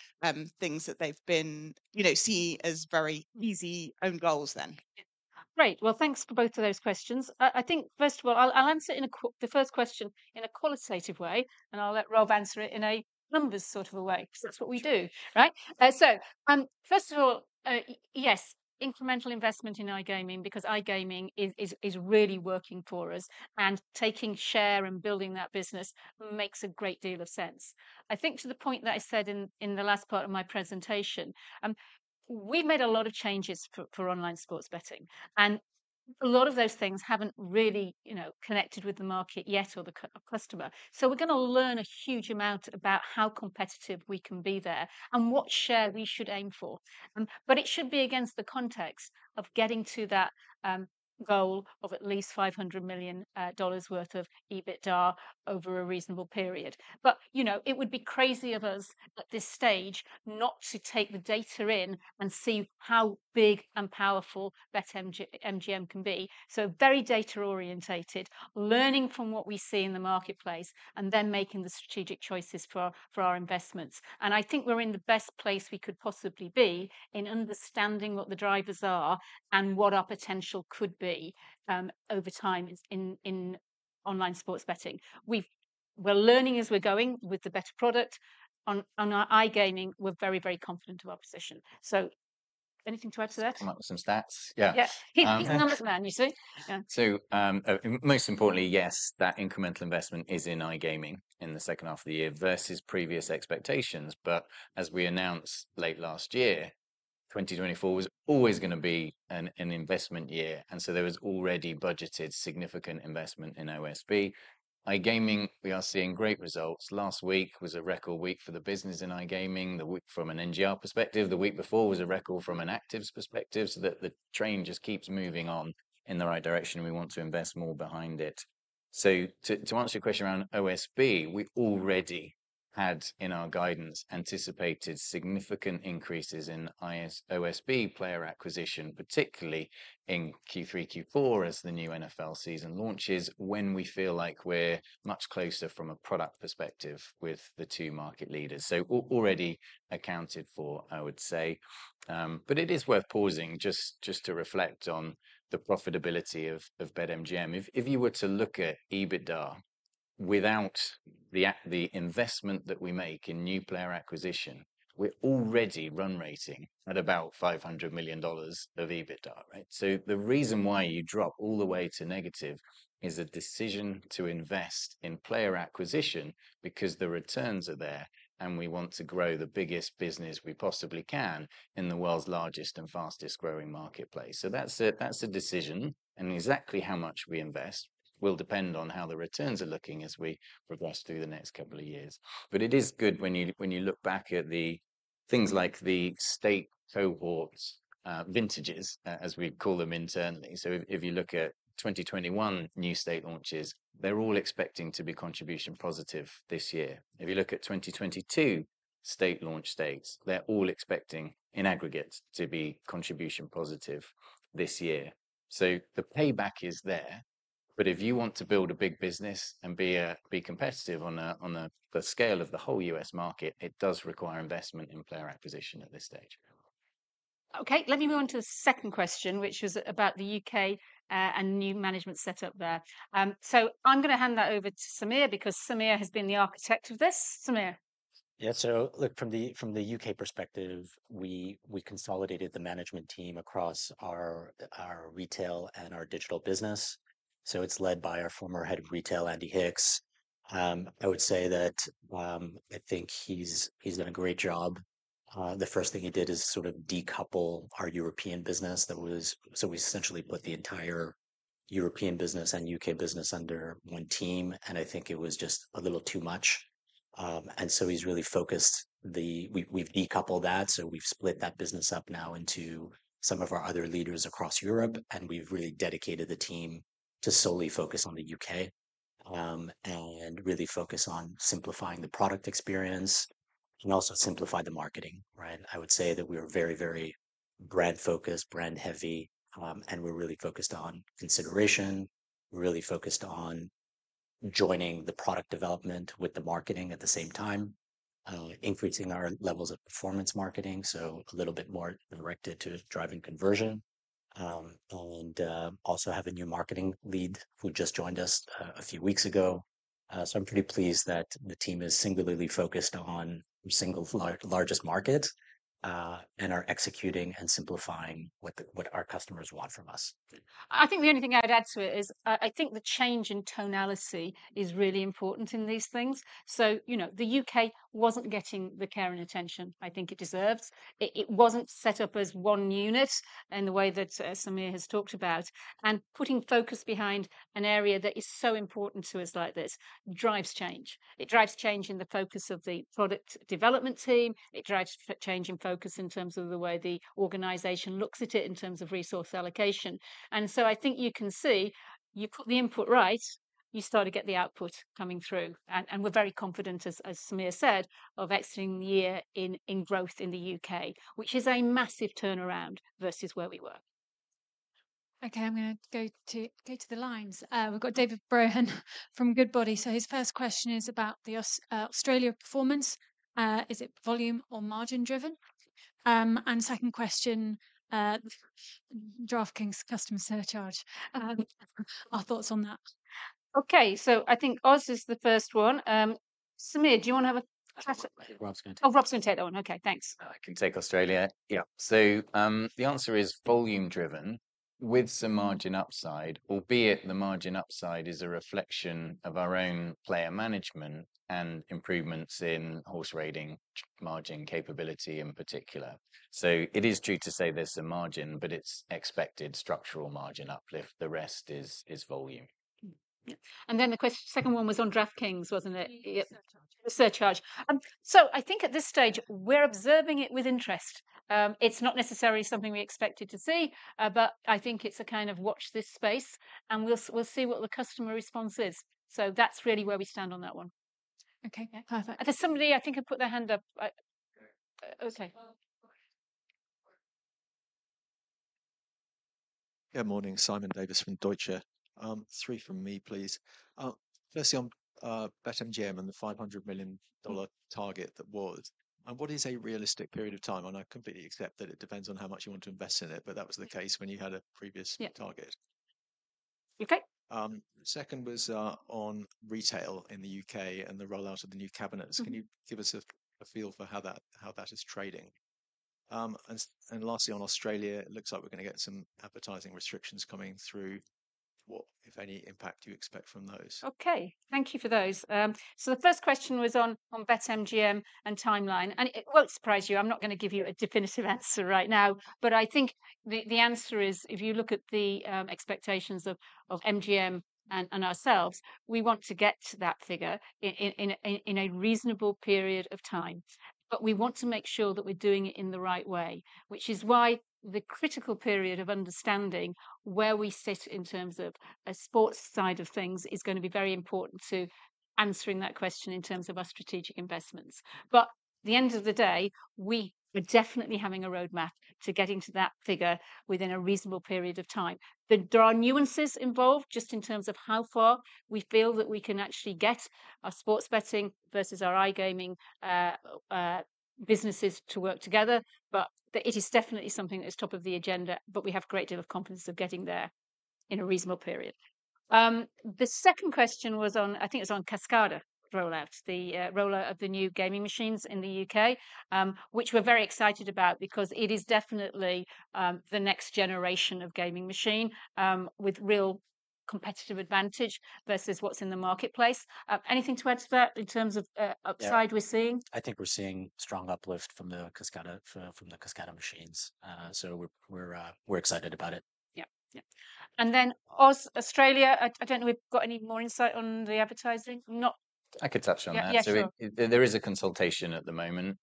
things that they've been, you know, see as very easy own goals then. Great. Well, thanks for both of those questions. I think, first of all, I'll answer the first question in a qualitative way, and I'll let Rob answer it in a numbers sort of a way, because that's what we do, right? So first of all, yes, incremental investment in iGaming, because iGaming is really working for us and taking share and building that business makes a great deal of sense. I think to the point that I said in the last part of my presentation, we've made a lot of changes for online sports betting, and a lot of those things haven't really, you know, connected with the market yet or the customer. So we're going to learn a huge amount about how competitive we can be there and what share we should aim for. But it should be against the context of getting to that goal of at least $500 million worth of EBITDA over a reasonable period. But, you know, it would be crazy of us at this stage not to take the data in and see how big and powerful BetMGM can be. So very data-oriented, learning from what we see in the marketplace, and then making the strategic choices for our investments. I think we're in the best place we could possibly be in understanding what the drivers are and what our potential could be over time in online sports betting. We're learning as we're going with the better product. On iGaming, we're very, very confident of our position. So anything to add to that? Come up with some stats. Yeah. Yeah. He's a numbers man, you see. So most importantly, yes, that incremental investment is in iGaming in the second half of the year versus previous expectations. But as we announced late last year, 2024 was always going to be an investment year. And so there was already budgeted significant investment in OSB. iGaming, we are seeing great results. Last week was a record week for the business in iGaming. The week from an NGR perspective, the week before was a record from an Actives perspective. So that the train just keeps moving on in the right direction. We want to invest more behind it. So to answer your question around OSB, we already had in our guidance anticipated significant increases in OSB player acquisition, particularly in Q3, Q4 as the new NFL season launches when we feel like we're much closer from a product perspective with the two market leaders. So already accounted for, I would say. But it is worth pausing just to reflect on the profitability of BetMGM. If you were to look at EBITDA without the investment that we make in new player acquisition, we're already run rating at about $500 million of EBITDA, right? So the reason why you drop all the way to negative is a decision to invest in player acquisition because the returns are there and we want to grow the biggest business we possibly can in the world's largest and fastest growing marketplace. So that's a decision, and exactly how much we invest will depend on how the returns are looking as we progress through the next couple of years. But it is good when you look back at the things like the state cohorts, vintages, as we call them internally. So if you look at 2021 new state launches, they're all expecting to be contribution positive this year. If you look at 2022 state launch states, they're all expecting in aggregate to be contribution positive this year. So the payback is there, but if you want to build a big business and be competitive on the scale of the whole U.S. market, it does require investment in player acquisition at this stage. Okay, let me move on to the second question, which was about the U.K. and new management setup there. So I'm going to hand that over to Sameer because Sameer has been the architect of this. Sameer? Yeah, so look, from the U.K. perspective, we consolidated the management team across our retail and our digital business. So it's led by our former head of retail, Andy Hicks. I would say that I think he's done a great job. The first thing he did is sort of decouple our European business. So we essentially put the entire European business and U.K. business under one team, and I think it was just a little too much. And so he's really focused. We've decoupled that, so we've split that business up now into some of our other leaders across Europe, and we've really dedicated the team to solely focus on the U.K. and really focus on simplifying the product experience and also simplify the marketing, right? I would say that we are very, very brand-focused, brand-heavy, and we're really focused on consideration, really focused on joining the product development with the marketing at the same time, increasing our levels of performance marketing, so a little bit more directed to driving conversion, and also have a new marketing lead who just joined us a few weeks ago. I'm pretty pleased that the team is singularly focused on single largest markets and are executing and simplifying what our customers want from us. I think the only thing I'd add to it is I think the change in tonality is really important in these things. So, you know, the U.K. wasn't getting the care and attention I think it deserves. It wasn't set up as one unit in the way that Sameer has talked about. And putting focus behind an area that is so important to us like this drives change. It drives change in the focus of the product development team. It drives change in focus in terms of the way the organization looks at it in terms of resource allocation. And so I think you can see you put the input right, you start to get the output coming through. And we're very confident, as Sameer said, of exiting the year in growth in the U.K., which is a massive turnaround versus where we were. Okay, I'm going to go to the lines. We've got David Brohan from Goodbody. So his first question is about the Australia performance. Is it volume or margin driven? And second question, DraftKings customer surcharge. Our thoughts on that. Okay, so I think Oz is the first one. Sameer, do you want to have a chat? Oh, Rob's going to take that one. Okay, thanks. I can take Australia. Yeah, so the answer is volume driven with some margin upside, albeit the margin upside is a reflection of our own player management and improvements in horse racing margin capability in particular. So it is true to say there's some margin, but it's expected structural margin uplift. The rest is volume. And then the second one was on DraftKings, wasn't it? The surcharge. So I think at this stage, we're observing it with interest. It's not necessarily something we expected to see, but I think it's a kind of watch this space and we'll see what the customer response is. So that's really where we stand on that one. Okay, perfect. There's somebody, I think I put their hand up. Okay. Good morning, Simon Davies from Deutsche Bank. Three from me, please. Firstly, on BetMGM and the $500 million target that was. And what is a realistic period of time? And I completely accept that it depends on how much you want to invest in it, but that was the case when you had a previous target. Okay. Second was on retail in the U.K. and the rollout of the new cabinets. Can you give us a feel for how that is trading? And lastly, on Australia, it looks like we're going to get some advertising restrictions coming through. What, if any, impact do you expect from those? Okay, thank you for those. So the first question was on BetMGM and timeline. And it won't surprise you. I'm not going to give you a definitive answer right now, but I think the answer is if you look at the expectations of MGM and ourselves, we want to get to that figure in a reasonable period of time. But we want to make sure that we're doing it in the right way, which is why the critical period of understanding where we sit in terms of a sports side of things is going to be very important to answering that question in terms of our strategic investments. But at the end of the day, we are definitely having a roadmap to getting to that figure within a reasonable period of time. There are nuances involved just in terms of how far we feel that we can actually get our sports betting versus our iGaming businesses to work together, but it is definitely something that is top of the agenda, but we have a great deal of confidence of getting there in a reasonable period. The second question was on, I think it was on Kascada rollout, the rollout of the new gaming machines in the U.K., which we're very excited about because it is definitely the next generation of gaming machine with real competitive advantage versus what's in the marketplace. Anything to add to that in terms of upside we're seeing? I think we're seeing strong uplift from the Kascada machines. So we're excited about it. Yeah, yeah. And then Australia, I don't know if we've got any more insight on the advertising. I'm not. I could touch on that. So there is a consultation at the moment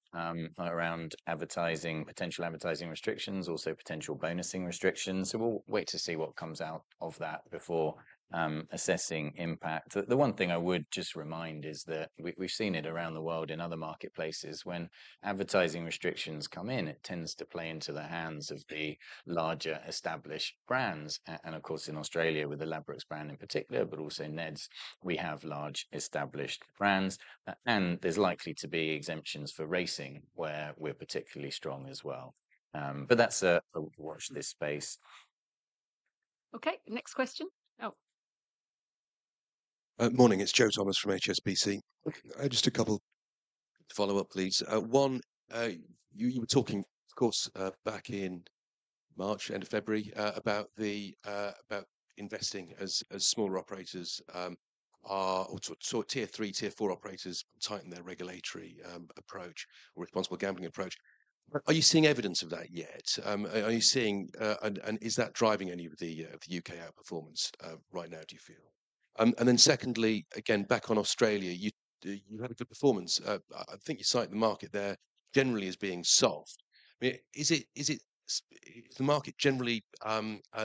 around advertising, potential advertising restrictions, also potential bonusing restrictions. So we'll wait to see what comes out of that before assessing impact. The one thing I would just remind is that we've seen it around the world in other marketplaces when advertising restrictions come in, it tends to play into the hands of the larger established brands. And of course, in Australia with the Ladbrokes brand in particular, but also Neds, we have large established brands. And there's likely to be exemptions for racing where we're particularly strong as well. But that's a watch this space. Okay, next question. Oh. Morning, it's Joe Thomas from HSBC. Just a couple to follow up, please. One, you were talking, of course, back in March and February about investing as smaller operators, or tier three, tier four operators tighten their regulatory approach or responsible gambling approach. Are you seeing evidence of that yet? Are you seeing, and is that driving any of the U.K. outperformance right now, do you feel? And then secondly, again, back on Australia, you had a good performance. I think you cite the market there generally as being soft. Is the market generally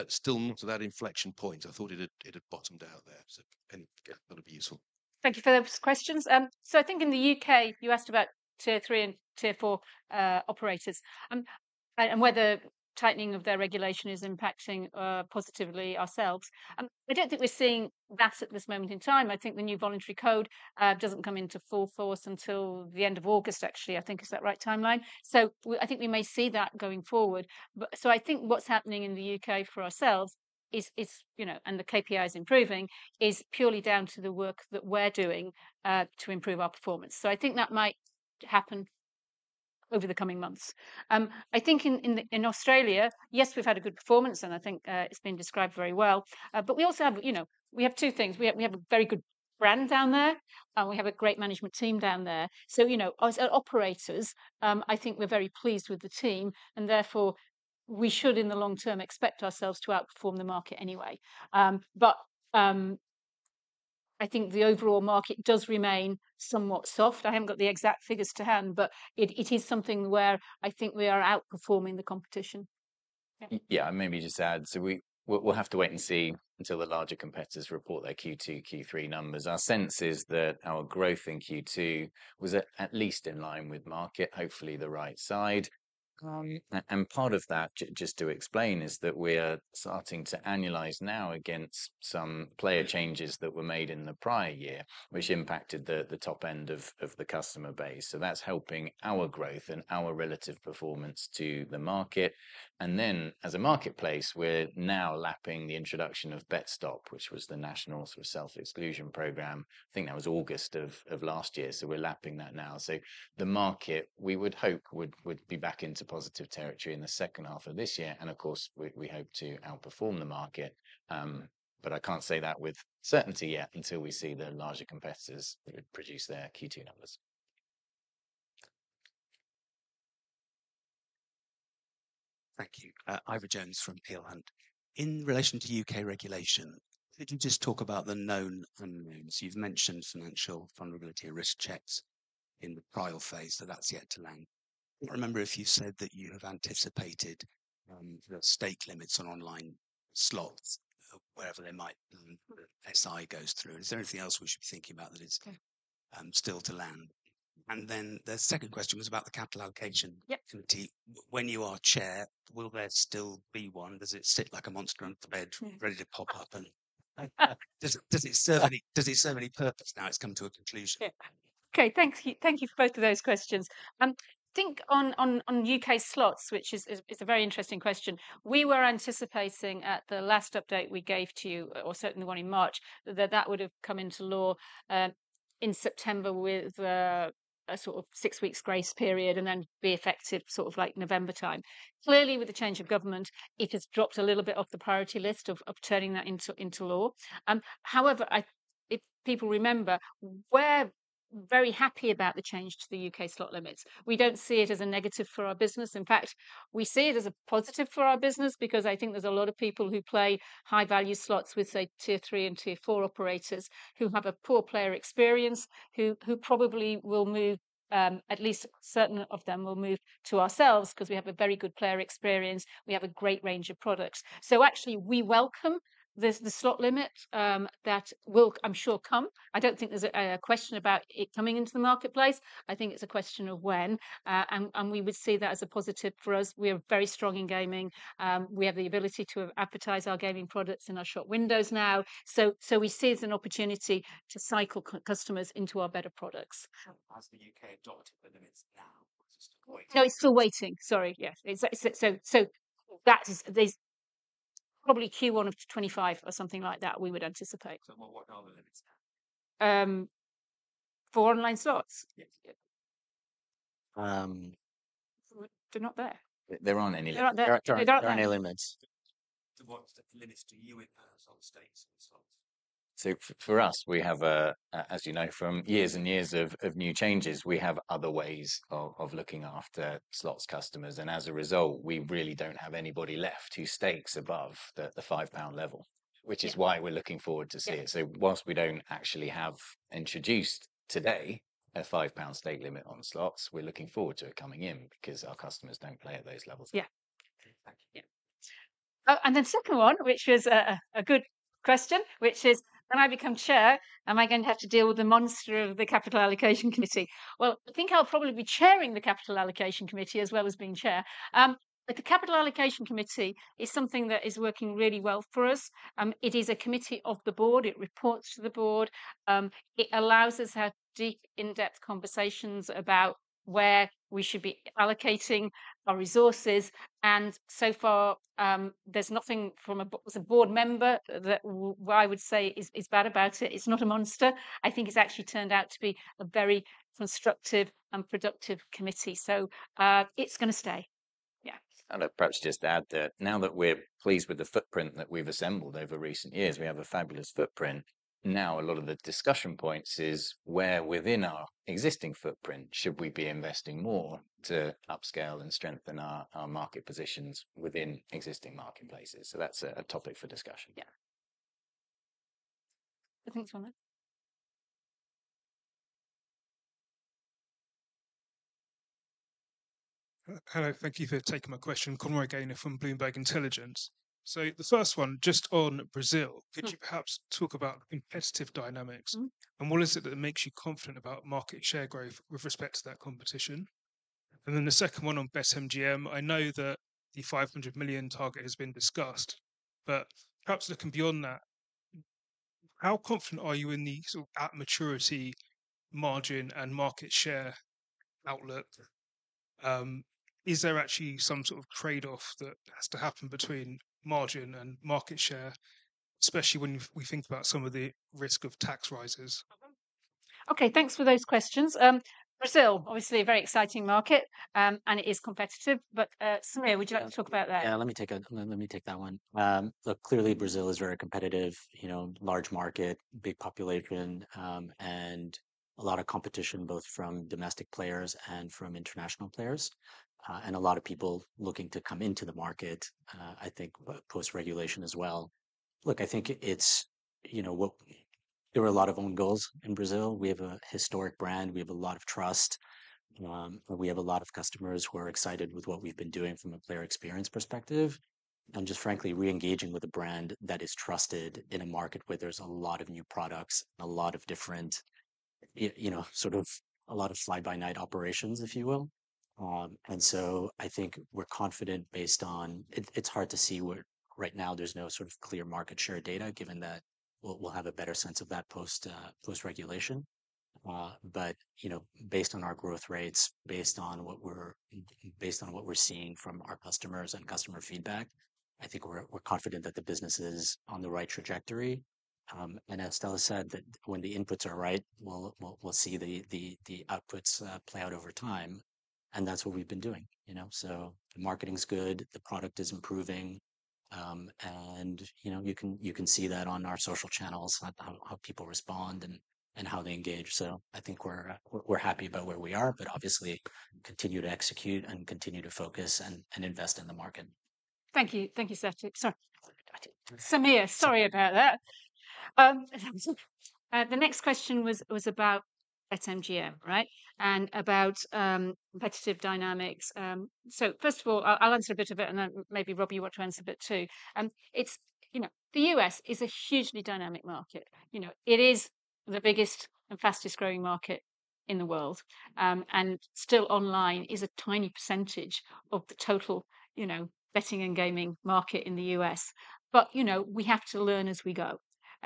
still not at that inflection point? I thought it had bottomed out there. So anything that would be useful. Thank you for those questions. So I think in the U.K., you asked about Tier 3 and Tier 4 operators and whether tightening of their regulation is impacting positively ourselves. I don't think we're seeing that at this moment in time. I think the new voluntary code doesn't come into full force until the end of August, actually. I think is that right timeline. So I think we may see that going forward. So I think what's happening in the U.K. for ourselves is, you know, and the KPI is improving, is purely down to the work that we're doing to improve our performance. So I think that might happen over the coming months. I think in Australia, yes, we've had a good performance and I think it's been described very well. But we also have, you know, we have two things. We have a very good brand down there and we have a great management team down there. So, you know, as operators, I think we're very pleased with the team and therefore we should in the long term expect ourselves to outperform the market anyway. But I think the overall market does remain somewhat soft. I haven't got the exact figures to hand, but it is something where I think we are outperforming the competition. Yeah, maybe just add. So we'll have to wait and see until the larger competitors report their Q2, Q3 numbers. Our sense is that our growth in Q2 was at least in line with market, hopefully the right side. And part of that, just to explain, is that we're starting to analyze now against some player changes that were made in the prior year, which impacted the top end of the customer base. So that's helping our growth and our relative performance to the market. And then as a marketplace, we're now lapping the introduction of BetStop, which was the national sort of self-exclusion program. I think that was August of last year. So we're lapping that now. So the market, we would hope would be back into positive territory in the second half of this year. And of course, we hope to outperform the market. But I can't say that with certainty yet until we see the larger competitors produce their Q2 numbers. Thank you. Ivor Jones from Peel Hunt. In relation to U.K. regulation, could you just talk about the known unknowns? You've mentioned financial vulnerability risk checks in the trial phase, so that's yet to land. I can't remember if you said that you have anticipated the stake limits on online slots, wherever they might, so it goes through. Is there anything else we should be thinking about that is still to land? And then the second question was about the capital allocation. When you are chair, will there still be one? Does it sit like a monster on the bed, ready to pop up? Does it serve any purpose now it's come to a conclusion? Okay, thanks. Thank you for both of those questions. I think on U.K. slots, which is a very interesting question, we were anticipating at the last update we gave to you, or certainly one in March, that that would have come into law in September with a sort of six weeks grace period and then be effective sort of like November time. Clearly, with the change of government, it has dropped a little bit off the priority list of turning that into law. However, if people remember, we're very happy about the change to the U.K. slot limits. We don't see it as a negative for our business. In fact, we see it as a positive for our business because I think there's a lot of people who play high-value slots with, say, Tier 3 and Tier 4 operators who have a poor player experience, who probably will move, at least certain of them will move to ourselves because we have a very good player experience. We have a great range of products. So actually, we welcome the slot limit that will, I'm sure, come. I don't think there's a question about it coming into the marketplace. I think it's a question of when. And we would see that as a positive for us. We are very strong in gaming. We have the ability to advertise our gaming products in our short windows now. So we see it as an opportunity to cycle customers into our better products. Has the U.K. adopted the limits now? No, it's still waiting. Sorry, yes. So that is probably Q1 of 2025 or something like that, we would anticipate. So what are the limits now? For online slots? They're not there. There aren't any limits. To what limits do you impose on stakes and slots? So for us, we have, as you know, from years and years of new changes, we have other ways of looking after slots customers. And as a result, we really don't have anybody left who stakes above the 5 pound level, which is why we're looking forward to see it. So while we haven't actually introduced today a 5 pound stake limit on slots, we're looking forward to it coming in because our customers don't play at those levels. And then second one, which was a good question, which is, when I become chair, am I going to have to deal with the monster of the Capital Allocation Committee? Well, I think I'll probably be chairing the Capital Allocation Committee as well as being chair. But the Capital Allocation Committee is something that is working really well for us. It is a committee of the board. It reports to the board. It allows us to have deep, in-depth conversations about where we should be allocating our resources. And so far, there's nothing from a board member that I would say is bad about it. It's not a monster. I think it's actually turned out to be a very constructive and productive committee. So it's going to stay. I'd like perhaps just to add that now that we're pleased with the footprint that we've assembled over recent years, we have a fabulous footprint. Now, a lot of the discussion points is where within our existing footprint should we be investing more to upscale and strengthen our market positions within existing marketplaces? So that's a topic for discussion. Yeah. Conroy? Hello, thank you for taking my question. Conroy Gaynor from Bloomberg Intelligence. So the first one, just on Brazil, could you perhaps talk about competitive dynamics? And what is it that makes you confident about market share growth with respect to that competition? And then the second one on BetMGM, I know that the $500 million target has been discussed, but perhaps looking beyond that, how confident are you in the sort of at-maturity margin and market share outlook? Is there actually some sort of trade-off that has to happen between margin and market share, especially when we think about some of the risk of tax rises? Okay, thanks for those questions. Brazil, obviously a very exciting market, and it is competitive, but Sameer, would you like to talk about that? Yeah, let me take that one. Look, clearly Brazil is very competitive, you know, large market, big population, and a lot of competition both from domestic players and from international players. And a lot of people looking to come into the market, I think post-regulation as well. Look, I think it's, you know, there are a lot of own goals in Brazil. We have a historic brand. We have a lot of trust. We have a lot of customers who are excited with what we've been doing from a player experience perspective. And just frankly, re-engaging with a brand that is trusted in a market where there's a lot of new products and a lot of different, you know, sort of a lot of fly-by-night operations, if you will. And so I think we're confident based on, it's hard to see right now, there's no sort of clear market share data given that we'll have a better sense of that post-regulation. But, you know, based on our growth rates, based on what we're seeing from our customers and customer feedback, I think we're confident that the business is on the right trajectory. And as Stella said, that when the inputs are right, we'll see the outputs play out over time. And that's what we've been doing, you know. So the marketing's good, the product is improving. And, you know, you can see that on our social channels, how people respond and how they engage. So I think we're happy about where we are, but obviously continue to execute and continue to focus and invest in the market. Thank you, Satty. Sorry. Sameer, sorry about that. The next question was about BetMGM, right? And about competitive dynamics. So first of all, I'll answer a bit of it and then maybe Rob, you want to answer a bit too. It's, you know, the U.S. is a hugely dynamic market. You know, it is the biggest and fastest growing market in the world. And still online is a tiny percentage of the total, you know, betting and gaming market in the U.S. But, you know, we have to learn as we go.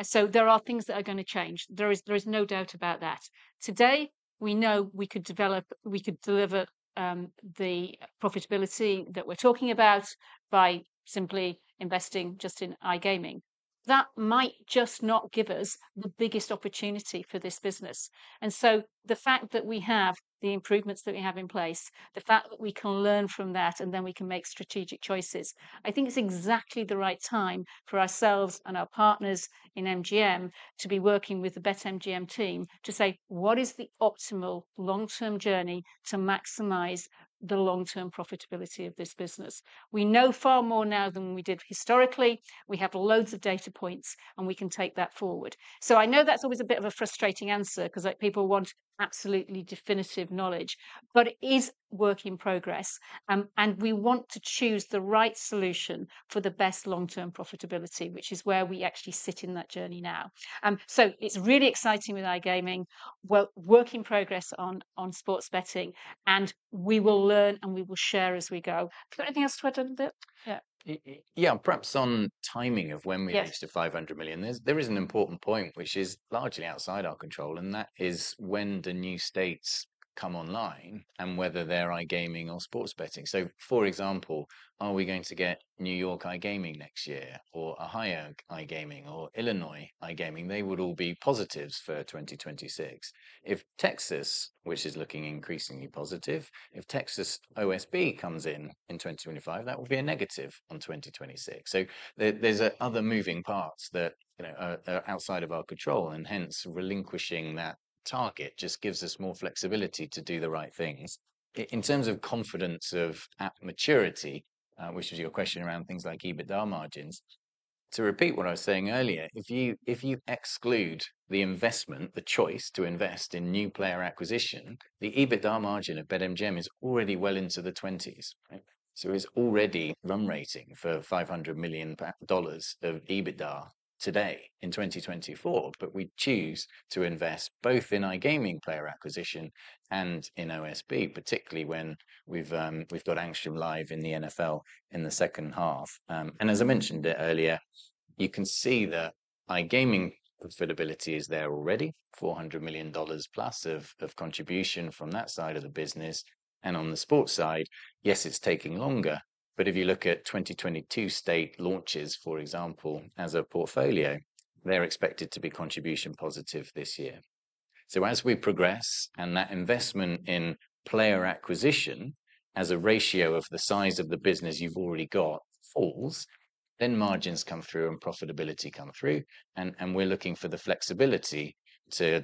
So there are things that are going to change. There is no doubt about that. Today, we know we could develop, we could deliver the profitability that we're talking about by simply investing just in iGaming. That might just not give us the biggest opportunity for this business. And so the fact that we have the improvements that we have in place, the fact that we can learn from that and then we can make strategic choices, I think it's exactly the right time for ourselves and our partners in MGM to be working with the BetMGM team to say, what is the optimal long-term journey to maximize the long-term profitability of this business? We know far more now than we did historically. We have loads of data points and we can take that forward. So I know that's always a bit of a frustrating answer because people want absolutely definitive knowledge, but it is work in progress. We want to choose the right solution for the best long-term profitability, which is where we actually sit in that journey now. So it's really exciting with iGaming, work in progress on sports betting, and we will learn and we will share as we go. Do you have anything else to add on that? Yeah, perhaps on timing of when we reach the $500 million, there is an important point which is largely outside our control, and that is when the new states come online and whether they're iGaming or sports betting. So for example, are we going to get New York iGaming next year or Ohio iGaming or Illinois iGaming? They would all be positives for 2026. If Texas, which is looking increasingly positive, if Texas OSB comes in in 2025, that would be a negative on 2026. So there's other moving parts that are outside of our control, and hence relinquishing that target just gives us more flexibility to do the right things. In terms of confidence of at-maturity, which was your question around things like EBITDA margins, to repeat what I was saying earlier, if you exclude the investment, the choice to invest in new player acquisition, the EBITDA margin of BetMGM is already well into the 20s. So it's already run rate for $500 million of EBITDA today in 2024, but we choose to invest both in iGaming player acquisition and in OSB, particularly when we've got Angstrom live in the NFL in the second half. And as I mentioned earlier, you can see that iGaming profitability is there already, $400 million plus of contribution from that side of the business. And on the sports side, yes, it's taking longer, but if you look at 2022 state launches, for example, as a portfolio, they're expected to be contribution positive this year. So as we progress and that investment in player acquisition as a ratio of the size of the business you've already got falls, then margins come through and profitability comes through. And we're looking for the flexibility to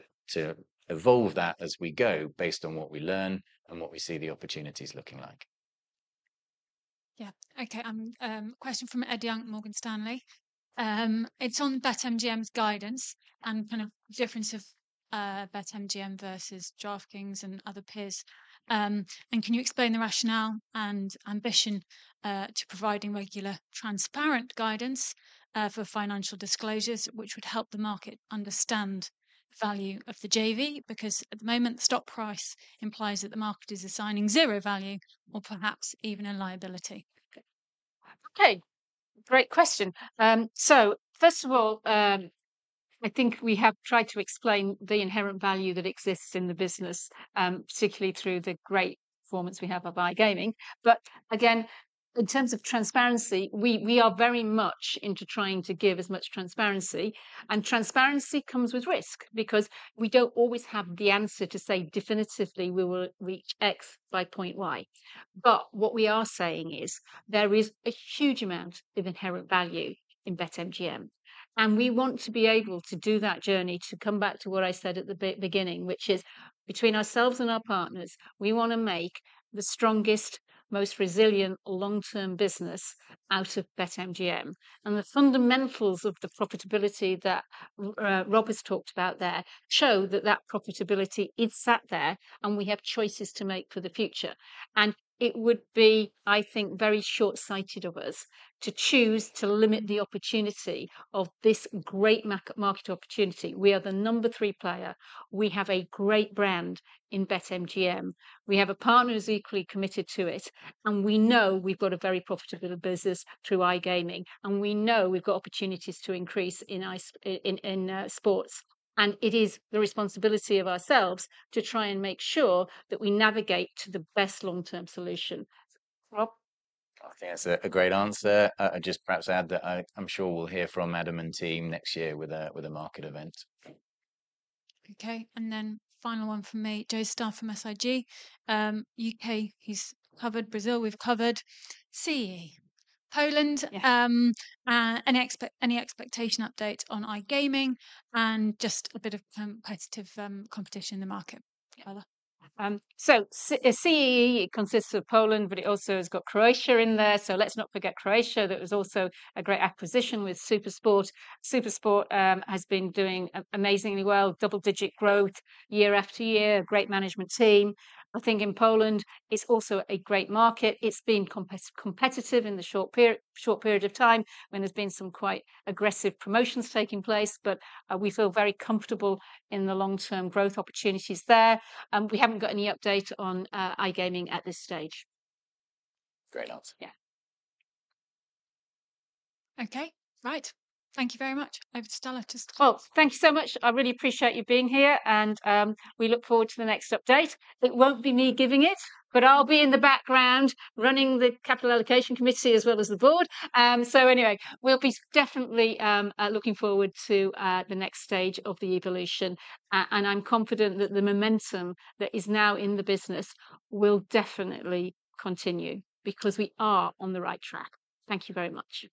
evolve that as we go based on what we learn and what we see the opportunities looking like. Yeah, okay, question from Ed Young, Morgan Stanley. It's on BetMGM's guidance and kind of difference of BetMGM versus DraftKings and other peers. And can you explain the rationale and ambition to providing regular transparent guidance for financial disclosures, which would help the market understand the value of the JV? Because at the moment, the stock price implies that the market is assigning zero value or perhaps even a liability. Okay, great question. So first of all, I think we have tried to explain the inherent value that exists in the business, particularly through the great performance we have of iGaming. But again, in terms of transparency, we are very much into trying to give as much transparency. And transparency comes with risk because we don't always have the answer to say definitively we will reach X by point Y. But what we are saying is there is a huge amount of inherent value in BetMGM. And we want to be able to do that journey to come back to what I said at the beginning, which is between ourselves and our partners, we want to make the strongest, most resilient long-term business out of BetMGM. The fundamentals of the profitability that Rob has talked about there show that that profitability is sat there and we have choices to make for the future. It would be, I think, very short-sighted of us to choose to limit the opportunity of this great market opportunity. We are the number three player. We have a great brand in BetMGM. We have a partner who's equally committed to it. We know we've got a very profitable business through iGaming. We know we've got opportunities to increase in sports. It is the responsibility of ourselves to try and make sure that we navigate to the best long-term solution. Rob? I think that's a great answer. I'd just perhaps add that I'm sure we'll hear from Adam and team next year with a market event. Okay, and then final one for me, Joe Stauff from SIG. U.K., he's covered. Brazil, we've covered. CEE. Poland, any expectation update on iGaming and just a bit of competitive competition in the market? So CEE consists of Poland, but it also has got Croatia in there. So let's not forget Croatia that was also a great acquisition with SuperSport. SuperSport has been doing amazingly well, double-digit growth year after year, great management team. I think in Poland, it's also a great market. It's been competitive in the short period of time when there's been some quite aggressive promotions taking place, but we feel very comfortable in the long-term growth opportunities there. We haven't got any update on iGaming at this stage. Great answer. Yeah. Okay, right. Thank you very much. Over to Stella just. Oh, thank you so much. I really appreciate you being here. And we look forward to the next update. It won't be me giving it, but I'll be in the background running the Capital Allocation Committee as well as the board. So anyway, we'll be definitely looking forward to the next stage of the evolution. And I'm confident that the momentum that is now in the business will definitely continue because we are on the right track. Thank you very much.